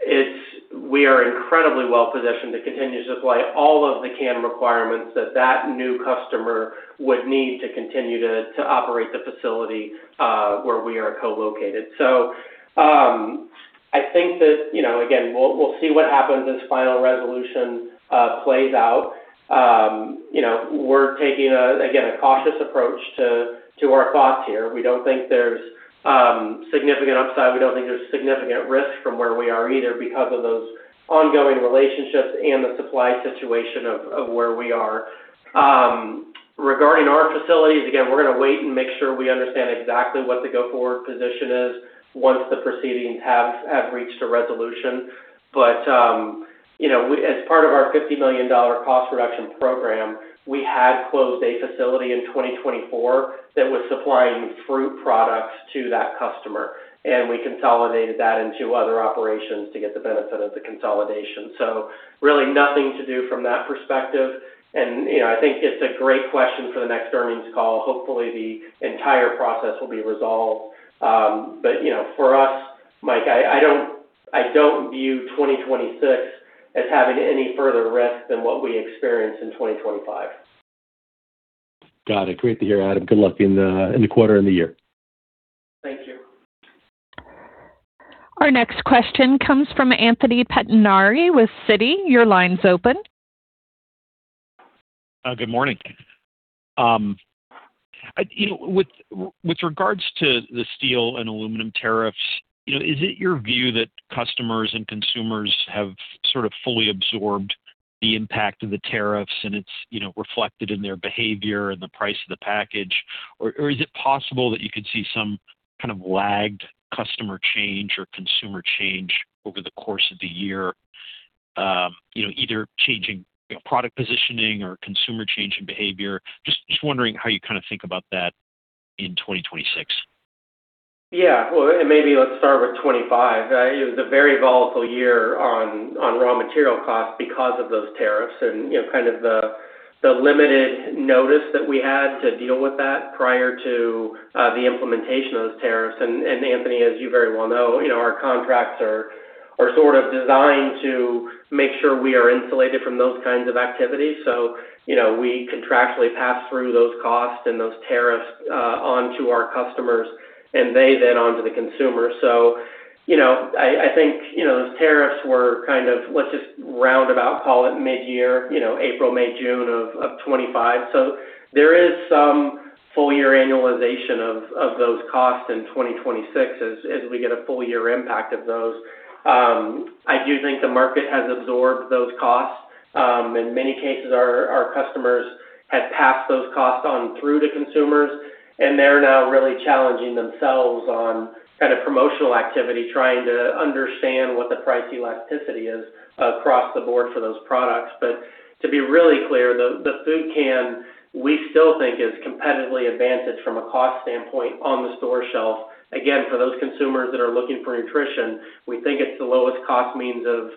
It is we are incredibly well-positioned to continue to supply all of the can requirements that that new customer would need to continue to operate the facility where we are co-located. So, I think that, you know, again, we'll see what happens as final resolution plays out. You know, we're taking again a cautious approach to our thoughts here. We don't think there's significant upside. We don't think there's significant risk from where we are either because of those ongoing relationships and the supply situation of where we are. Regarding our facilities, again, we're gonna wait and make sure we understand exactly what the go-forward position is once the proceedings have reached a resolution. But, you know, we, as part of our $50 million cost reduction program, we had closed a facility in 2024 that was supplying fruit products to that customer, and we consolidated that into other operations to get the benefit of the consolidation. So really nothing to do from that perspective. You know, I think it's a great question for the next earnings call. Hopefully, the entire process will be resolved. But, you know, for us, Mike, I don't view 2026 as having any further risk than what we experienced in 2025. Got it. Great to hear, Adam. Good luck in the quarter and the year. Thank you. Our next question comes from Anthony Pettinari with Citi. Your line's open.... Good morning. You know, with regards to the steel and aluminum tariffs, you know, is it your view that customers and consumers have sort of fully absorbed the impact of the tariffs, and it's, you know, reflected in their behavior and the price of the package? Or is it possible that you could see some kind of lagged customer change or consumer change over the course of the year, you know, either changing, you know, product positioning or consumer change in behavior? Just wondering how you kind of think about that in 2026. Yeah. Well, and maybe let's start with 2025. It was a very volatile year on raw material costs because of those tariffs and, you know, kind of the limited notice that we had to deal with that prior to the implementation of those tariffs. And Anthony, as you very well know, you know, our contracts are sort of designed to make sure we are insulated from those kinds of activities. So, you know, we contractually pass through those costs and those tariffs on to our customers, and they then on to the consumer. So, you know, I think, you know, those tariffs were kind of let's just roundabout call it mid-year, you know, April, May, June of 2025. So there is some full year annualization of those costs in 2026 as we get a full year impact of those. I do think the market has absorbed those costs. In many cases, our customers have passed those costs on through to consumers, and they're now really challenging themselves on kind of promotional activity, trying to understand what the price elasticity is across the board for those products. But to be really clear, the food can, we still think is competitively advantaged from a cost standpoint on the store shelf. Again, for those consumers that are looking for nutrition, we think it's the lowest cost means of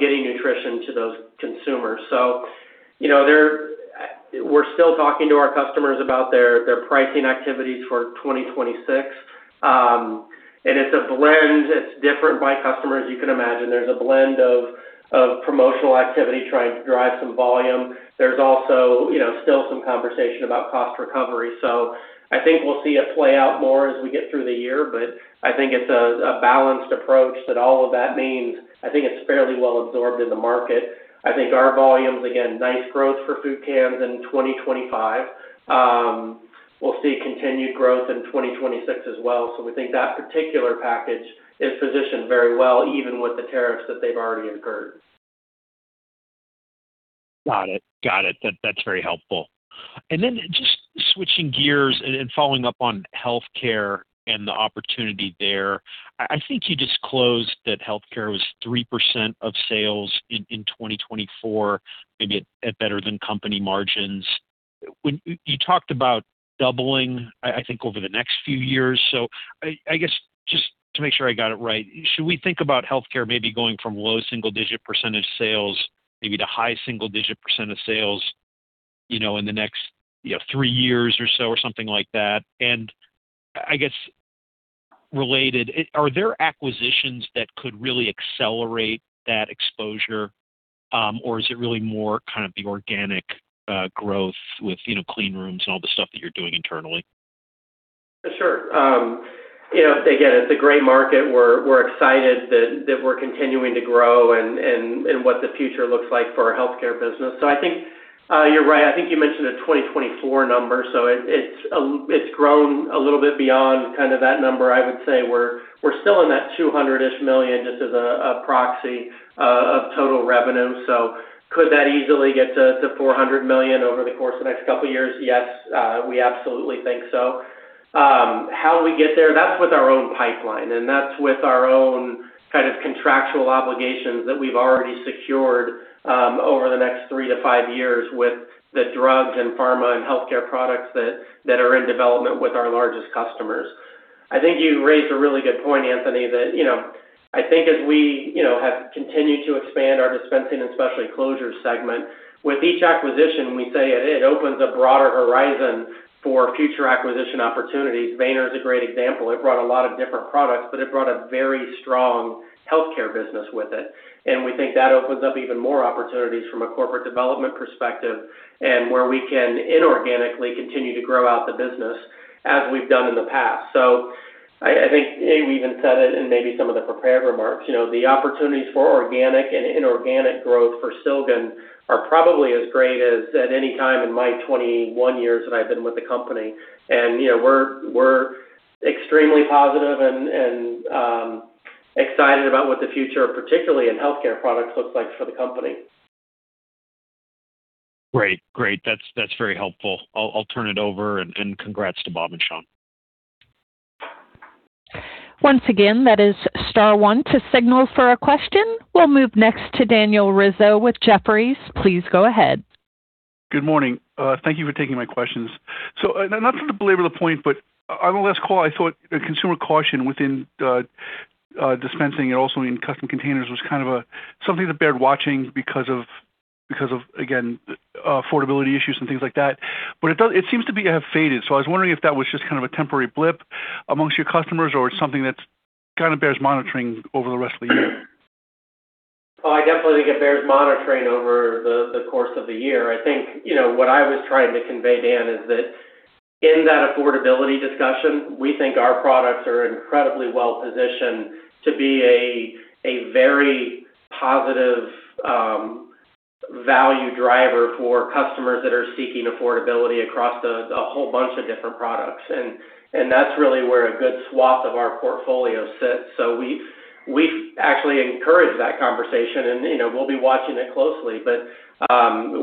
getting nutrition to those consumers. So, you know, they're-- we're still talking to our customers about their pricing activities for 2026. And it's a blend. It's different by customer, as you can imagine. There's a blend of promotional activity trying to drive some volume. There's also, you know, still some conversation about cost recovery. So I think we'll see it play out more as we get through the year, but I think it's a balanced approach that all of that means I think it's fairly well absorbed in the market. I think our volumes, again, nice growth for food cans in 2025. We'll see continued growth in 2026 as well. So we think that particular package is positioned very well, even with the tariffs that they've already incurred. Got it. Got it. That's very helpful. Then just switching gears and following up on healthcare and the opportunity there, I think you disclosed that healthcare was 3% of sales in 2024, maybe at better than company margins. When you talked about doubling, I think, over the next few years. So I guess, just to make sure I got it right, should we think about healthcare maybe going from low single-digit percentage sales, maybe to high single-digit percent of sales, you know, in the next, you know, three years or so, or something like that? And I guess, related, are there acquisitions that could really accelerate that exposure, or is it really more kind of the organic growth with, you know, clean rooms and all the stuff that you're doing internally? Sure. You know, again, it's a great market. We're excited that we're continuing to grow and what the future looks like for our healthcare business. So I think you're right. I think you mentioned the 2024 number, so it's grown a little bit beyond kind of that number. I would say we're still in that $200-ish million, just as a proxy of total revenue. So could that easily get to $400 million over the course of the next couple of years? Yes, we absolutely think so. How we get there, that's with our own pipeline, and that's with our own kind of contractual obligations that we've already secured, over the next three-five years with the drugs and pharma and healthcare products that are in development with our largest customers. I think you raised a really good point, Anthony, that, you know, I think as we, you know, have continued to expand our Dispensing and Specialty Closures segment, with each acquisition, we say it opens a broader horizon for future acquisition opportunities. Weener is a great example. It brought a lot of different products, but it brought a very strong healthcare business with it. And we think that opens up even more opportunities from a corporate development perspective and where we can inorganically continue to grow out the business as we've done in the past. So I think we even said it in maybe some of the prepared remarks, you know, the opportunities for organic and inorganic growth for Silgan are probably as great as at any time in my 21 years that I've been with the company. You know, we're extremely positive and excited about what the future, particularly in healthcare products, looks like for the company. Great. Great. That's very helpful. I'll turn it over, and congrats to Bob and Sean. Once again, that is star one to signal for a question. We'll move next to Daniel Rizzo with Jefferies. Please go ahead. Good morning. Thank you for taking my questions. So, not to belabor the point, but on the last call, I thought the consumer caution within the, dispensing and also in Custom Containers was kind of a something that bears watching because of, because of, again, affordability issues and things like that. But it does it seems to have faded. So I was wondering if that was just kind of a temporary blip amongst your customers or something that's kind of bears monitoring over the rest of the year? Well, I definitely think it bears monitoring over the course of the year. I think, you know, what I was trying to convey, Dan, is that in that affordability discussion, we think our products are incredibly well-positioned to be a very positive value driver for customers that are seeking affordability across a whole bunch of different products. And that's really where a good swath of our portfolio sits. So we actually encourage that conversation, and, you know, we'll be watching it closely. But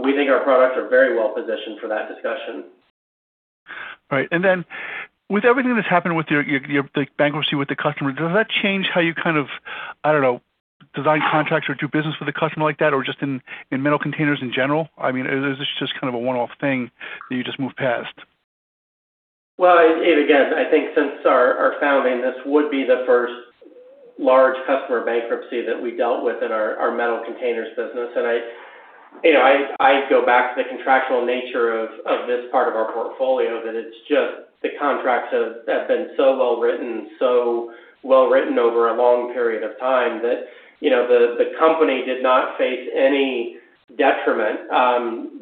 we think our products are very well positioned for that discussion. Right. And then with everything that's happened with the bankruptcy with the customer, does that change how you kind of, I don't know, design contracts or do business with a customer like that, or just in Metal Containers in general? I mean, is this just kind of a one-off thing that you just move past? Well, and again, I think since our founding, this would be the first large customer bankruptcy that we dealt with in our Metal Containers business. And I, you know, I go back to the contractual nature of this part of our portfolio, that it's just the contracts have been so well written, so well written over a long period of time that, you know, the company did not face any detriment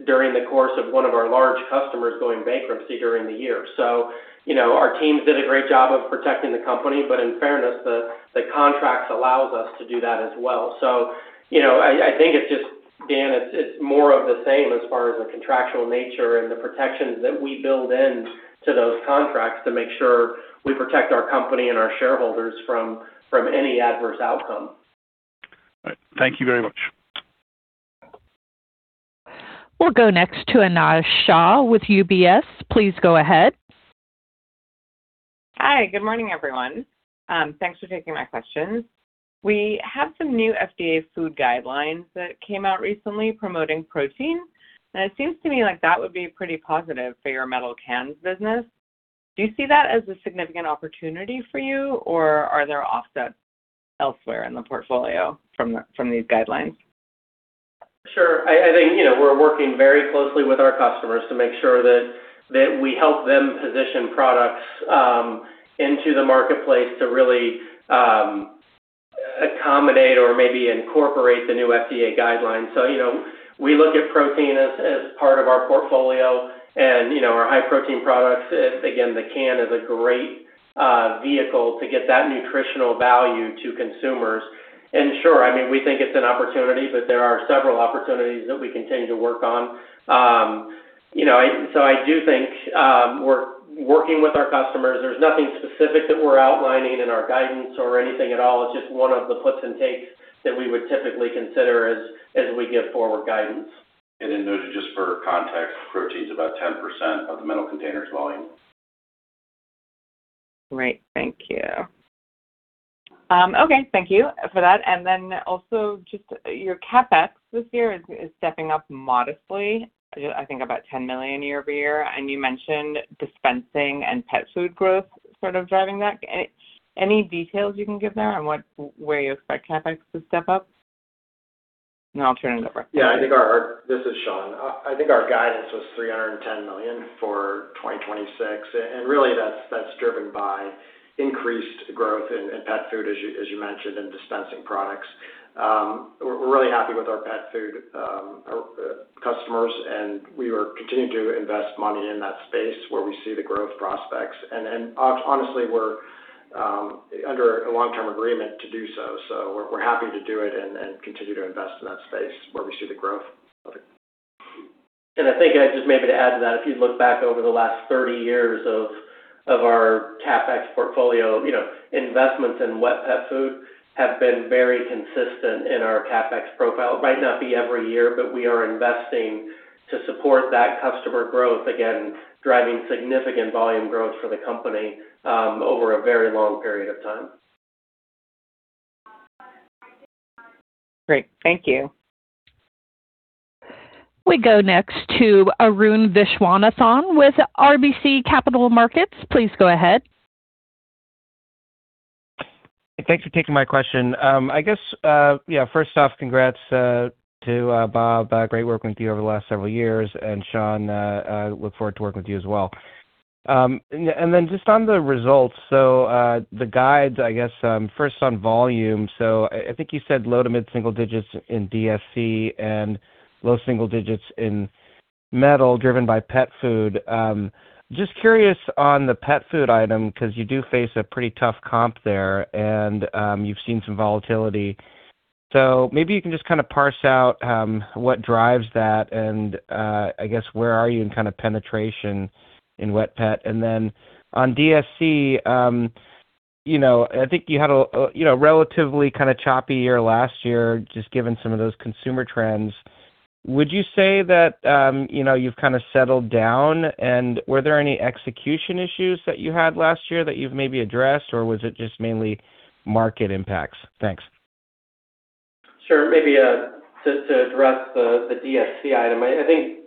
during the course of one of our large customers going bankruptcy during the year. So, you know, our teams did a great job of protecting the company, but in fairness, the contracts allows us to do that as well. You know, I think it's just, Dan, it's more of the same as far as the contractual nature and the protections that we build into those contracts to make sure we protect our company and our shareholders from any adverse outcome. All right. Thank you very much. We'll go next to Anojja Shah with UBS. Please go ahead. Hi. Good morning, everyone. Thanks for taking my questions. We have some new FDA food guidelines that came out recently promoting protein, and it seems to me like that would be pretty positive for your metal cans business. Do you see that as a significant opportunity for you, or are there offsets elsewhere in the portfolio from these guidelines? Sure. I think, you know, we're working very closely with our customers to make sure that we help them position products into the marketplace to really accommodate or maybe incorporate the new FDA guidelines. So, you know, we look at protein as part of our portfolio and, you know, our high-protein products. Again, the can is a great vehicle to get that nutritional value to consumers. And sure, I mean, we think it's an opportunity, but there are several opportunities that we continue to work on. You know, so I do think we're working with our customers. There's nothing specific that we're outlining in our guidance or anything at all. It's just one of the puts and takes that we would typically consider as we give forward guidance. Just for context, protein's about 10% of the Metal Containers volume. Great. Thank you. Okay, thank you for that. And then also, just your CapEx this year is stepping up modestly, I think about $10 million year-over-year, and you mentioned dispensing and pet food growth sort of driving that. Any details you can give there on where you expect CapEx to step up? And I'll turn it over. Yeah, this is Sean. I think our guidance was $310 million for 2026, and really, that's driven by increased growth in pet food, as you mentioned, and dispensing products. We're really happy with our pet food customers, and we are continuing to invest money in that space where we see the growth prospects. And then, honestly, we're under a long-term agreement to do so. So we're happy to do it and continue to invest in that space where we see the growth of it. And I think, and just maybe to add to that, if you look back over the last 30 years of, of our CapEx portfolio, you know, investments in wet pet food have been very consistent in our CapEx profile. It might not be every year, but we are investing to support that customer growth, again, driving significant volume growth for the company, over a very long period of time. Great. Thank you. We go next to Arun Viswanathan with RBC Capital Markets. Please go ahead. Thanks for taking my question. I guess, yeah, first off, congrats to Bob. Great working with you over the last several years, and Sean, I look forward to working with you as well. And then just on the results, so, the guides, I guess, first on volume. So I think you said low to mid single digits in DSC and low single digits in metal, driven by pet food. Just curious on the pet food item, because you do face a pretty tough comp there, and you've seen some volatility. So maybe you can just kind of parse out what drives that and, I guess, where are you in kind of penetration in wet pet? And then on DSC, you know, I think you had a you know, relatively kind of choppy year last year, just given some of those consumer trends. Would you say that, you know, you've kind of settled down, and were there any execution issues that you had last year that you've maybe addressed, or was it just mainly market impacts? Thanks. Sure. Maybe just to address the DSC item, I think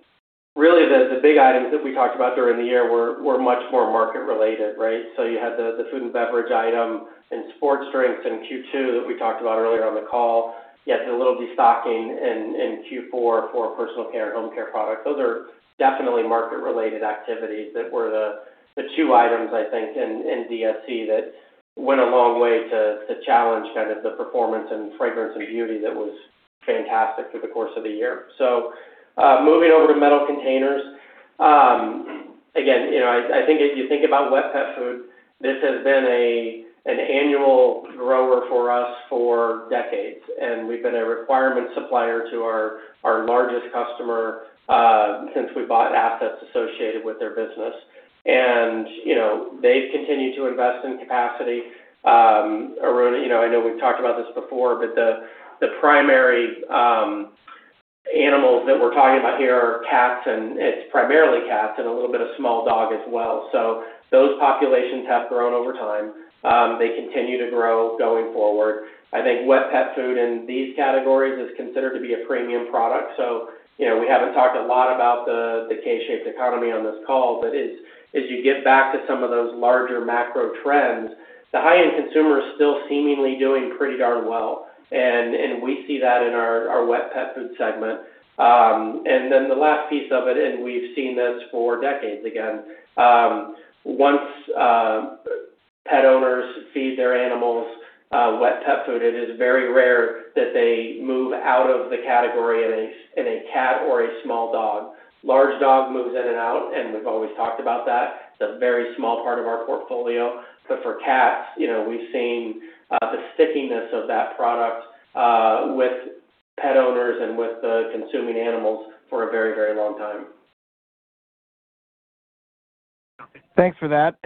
really the big items that we talked about during the year were much more market related, right? So you had the food and beverage item and sports drinks in Q2 that we talked about earlier on the call. You had the little destocking in Q4 for personal care and home care products. Those are definitely market-related activities that were the two items, I think, in DSC that went a long way to challenge kind of the performance in fragrance and beauty that was fantastic through the course of the year. So, moving over to Metal Containers. Again, you know, I think if you think about wet pet food, this has been an annual grower for us for decades, and we've been a requirement supplier to our largest customer since we bought assets associated with their business. And, you know, they've continued to invest in capacity. You know, I know we've talked about this before, but the primary animals that we're talking about here are cats, and it's primarily cats and a little bit of small dog as well. So those populations have grown over time. They continue to grow going forward. I think wet pet food in these categories is considered to be a premium product. So, you know, we haven't talked a lot about the K-shaped economy on this call, but as you get back to some of those larger macro trends, the high-end consumer is still seemingly doing pretty darn well, and we see that in our wet pet food segment. And then the last piece of it, and we've seen this for decades, again, once pet owners feed their animals wet pet food, it is very rare that they move out of the category in a cat or a small dog. Large dog moves in and out, and we've always talked about that. It's a very small part of our portfolio, but for cats, you know, we've seen the stickiness of that product with pet owners and with the consuming animals for a very, very long time. Thanks for that.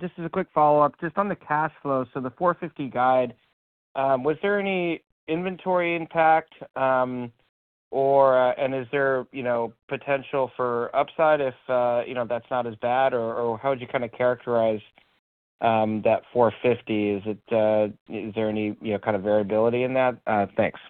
Just as a quick follow-up, just on the cash flow, so the $450 guide, was there any inventory impact, or, and is there, you know, potential for upside if, you know, that's not as bad? Or, or how would you kind of characterize that $450? Is it, is there any, you know, kind of variability in that? Thanks.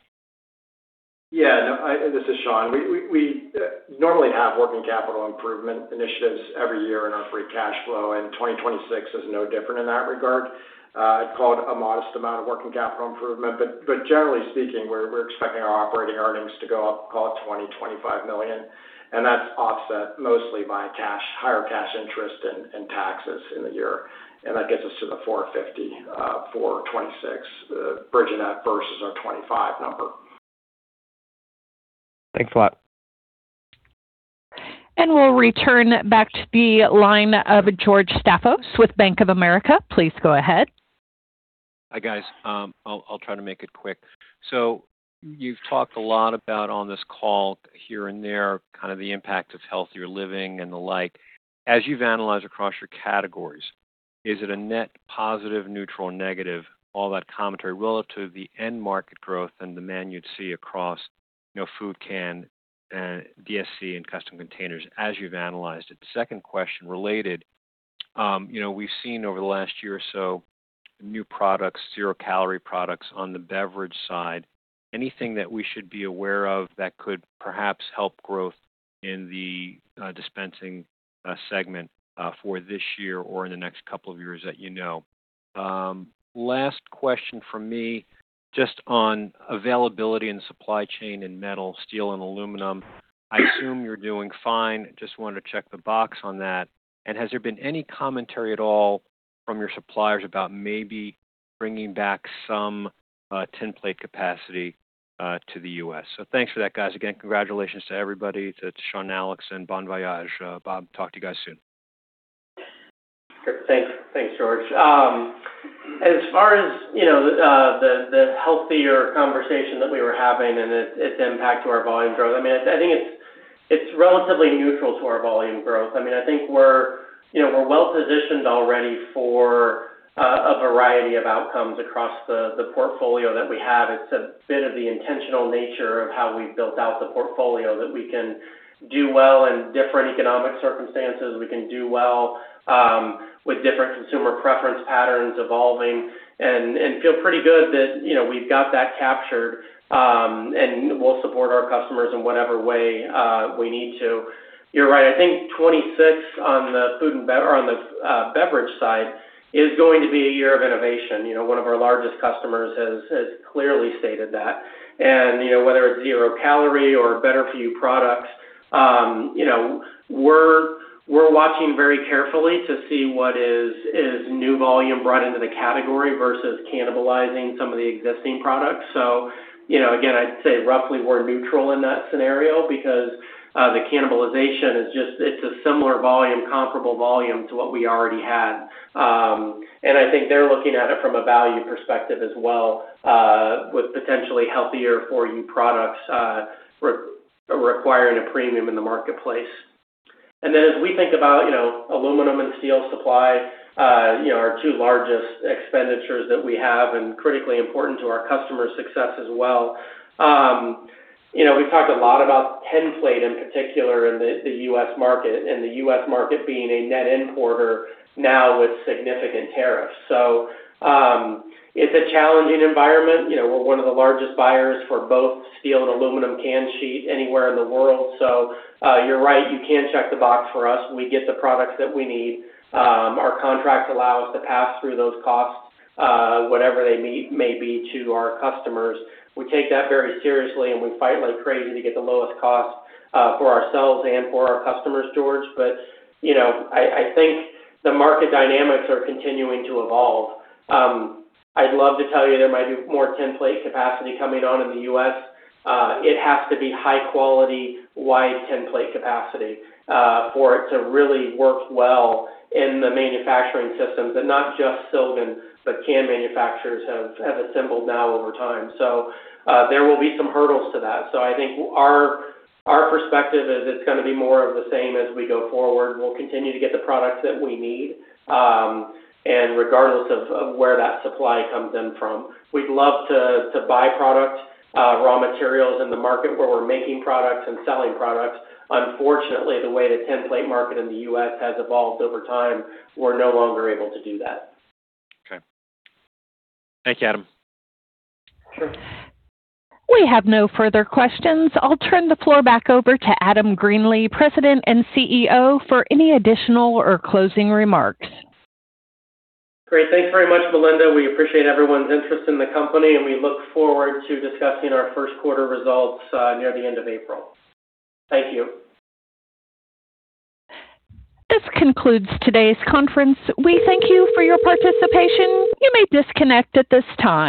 Yeah. No, this is Sean. We normally have working capital improvement initiatives every year in our free cash flow, and 2026 is no different in that regard. I'd call it a modest amount of working capital improvement, but generally speaking, we're expecting our operating earnings to go up, call it $25 million, and that's offset mostly by higher cash interest and taxes in the year. And that gets us to the $450 for 2026, bridging that versus our 2025 number. Thanks a lot. We'll return back to the line of George Staphos with Bank of America. Please go ahead. Hi, guys. I'll try to make it quick. So you've talked a lot about, on this call here and there, kind of the impact of healthier living and the like. As you've analyzed across your categories, is it a net positive, neutral, negative, all that commentary relative to the end market growth and demand you'd see across, you know, food can, DSC and Custom Containers, as you've analyzed it? The second question related, you know, we've seen over the last year or so, new products, zero-calorie products on the beverage side. Anything that we should be aware of that could perhaps help growth in the, dispensing, segment, for this year or in the next couple of years that you know? Last question from me, just on availability and supply chain and metal, steel and aluminum. I assume you're doing fine. Just wanted to check the box on that. Has there been any commentary at all from your suppliers about maybe bringing back some, tinplate capacity, to the U.S.? Thanks for that, guys. Again, congratulations to everybody, to Sean, Alex, and bon voyage, Bob. Talk to you guys soon. Great. Thanks. Thanks, George. As far as, you know, the healthier conversation that we were having and its impact to our volume growth, I mean, I think it's relatively neutral to our volume growth. I mean, I think we're, you know, we're well-positioned already for a variety of outcomes across the portfolio that we have. It's a bit of the intentional nature of how we've built out the portfolio, that we can do well in different economic circumstances. We can do well with different consumer preference patterns evolving and feel pretty good that, you know, we've got that captured and we'll support our customers in whatever way we need to. You're right, I think 2026 on the food and beverage side is going to be a year of innovation. You know, one of our largest customers has clearly stated that. And, you know, whether it's zero calorie or better-for-you products, you know, we're watching very carefully to see what is new volume brought into the category versus cannibalizing some of the existing products. So, you know, again, I'd say roughly we're neutral in that scenario because the cannibalization is just, it's a similar volume, comparable volume to what we already had. And I think they're looking at it from a value perspective as well, with potentially healthier-for-you products requiring a premium in the marketplace. And then as we think about, you know, aluminum and steel supply, you know, our two largest expenditures that we have and critically important to our customer success as well. You know, we've talked a lot about tinplate in particular in the U.S. market, and the U.S. market being a net importer now with significant tariffs. So, it's a challenging environment. You know, we're one of the largest buyers for both steel and aluminum can sheet anywhere in the world. So, you're right, you can check the box for us. We get the products that we need. Our contract allows us to pass through those costs, whatever they may be, to our customers. We take that very seriously, and we fight like crazy to get the lowest cost for ourselves and for our customers, George. But, you know, I think the market dynamics are continuing to evolve. I'd love to tell you there might be more tinplate capacity coming on in the U.S. It has to be high quality, wide tinplate capacity, for it to really work well in the manufacturing systems, and not just Silgan, but can manufacturers have assembled now over time. So, there will be some hurdles to that. So I think our perspective is it's gonna be more of the same as we go forward. We'll continue to get the products that we need, and regardless of where that supply comes in from. We'd love to buy product, raw materials in the market where we're making products and selling products. Unfortunately, the way the tinplate market in the U.S. has evolved over time, we're no longer able to do that. Okay. Thank you, Adam. Sure. We have no further questions. I'll turn the floor back over to Adam Greenlee, President and CEO, for any additional or closing remarks. Great. Thanks very much, Melinda. We appreciate everyone's interest in the company, and we look forward to discussing our first quarter results near the end of April. Thank you. This concludes today's conference. We thank you for your participation. You may disconnect at this time.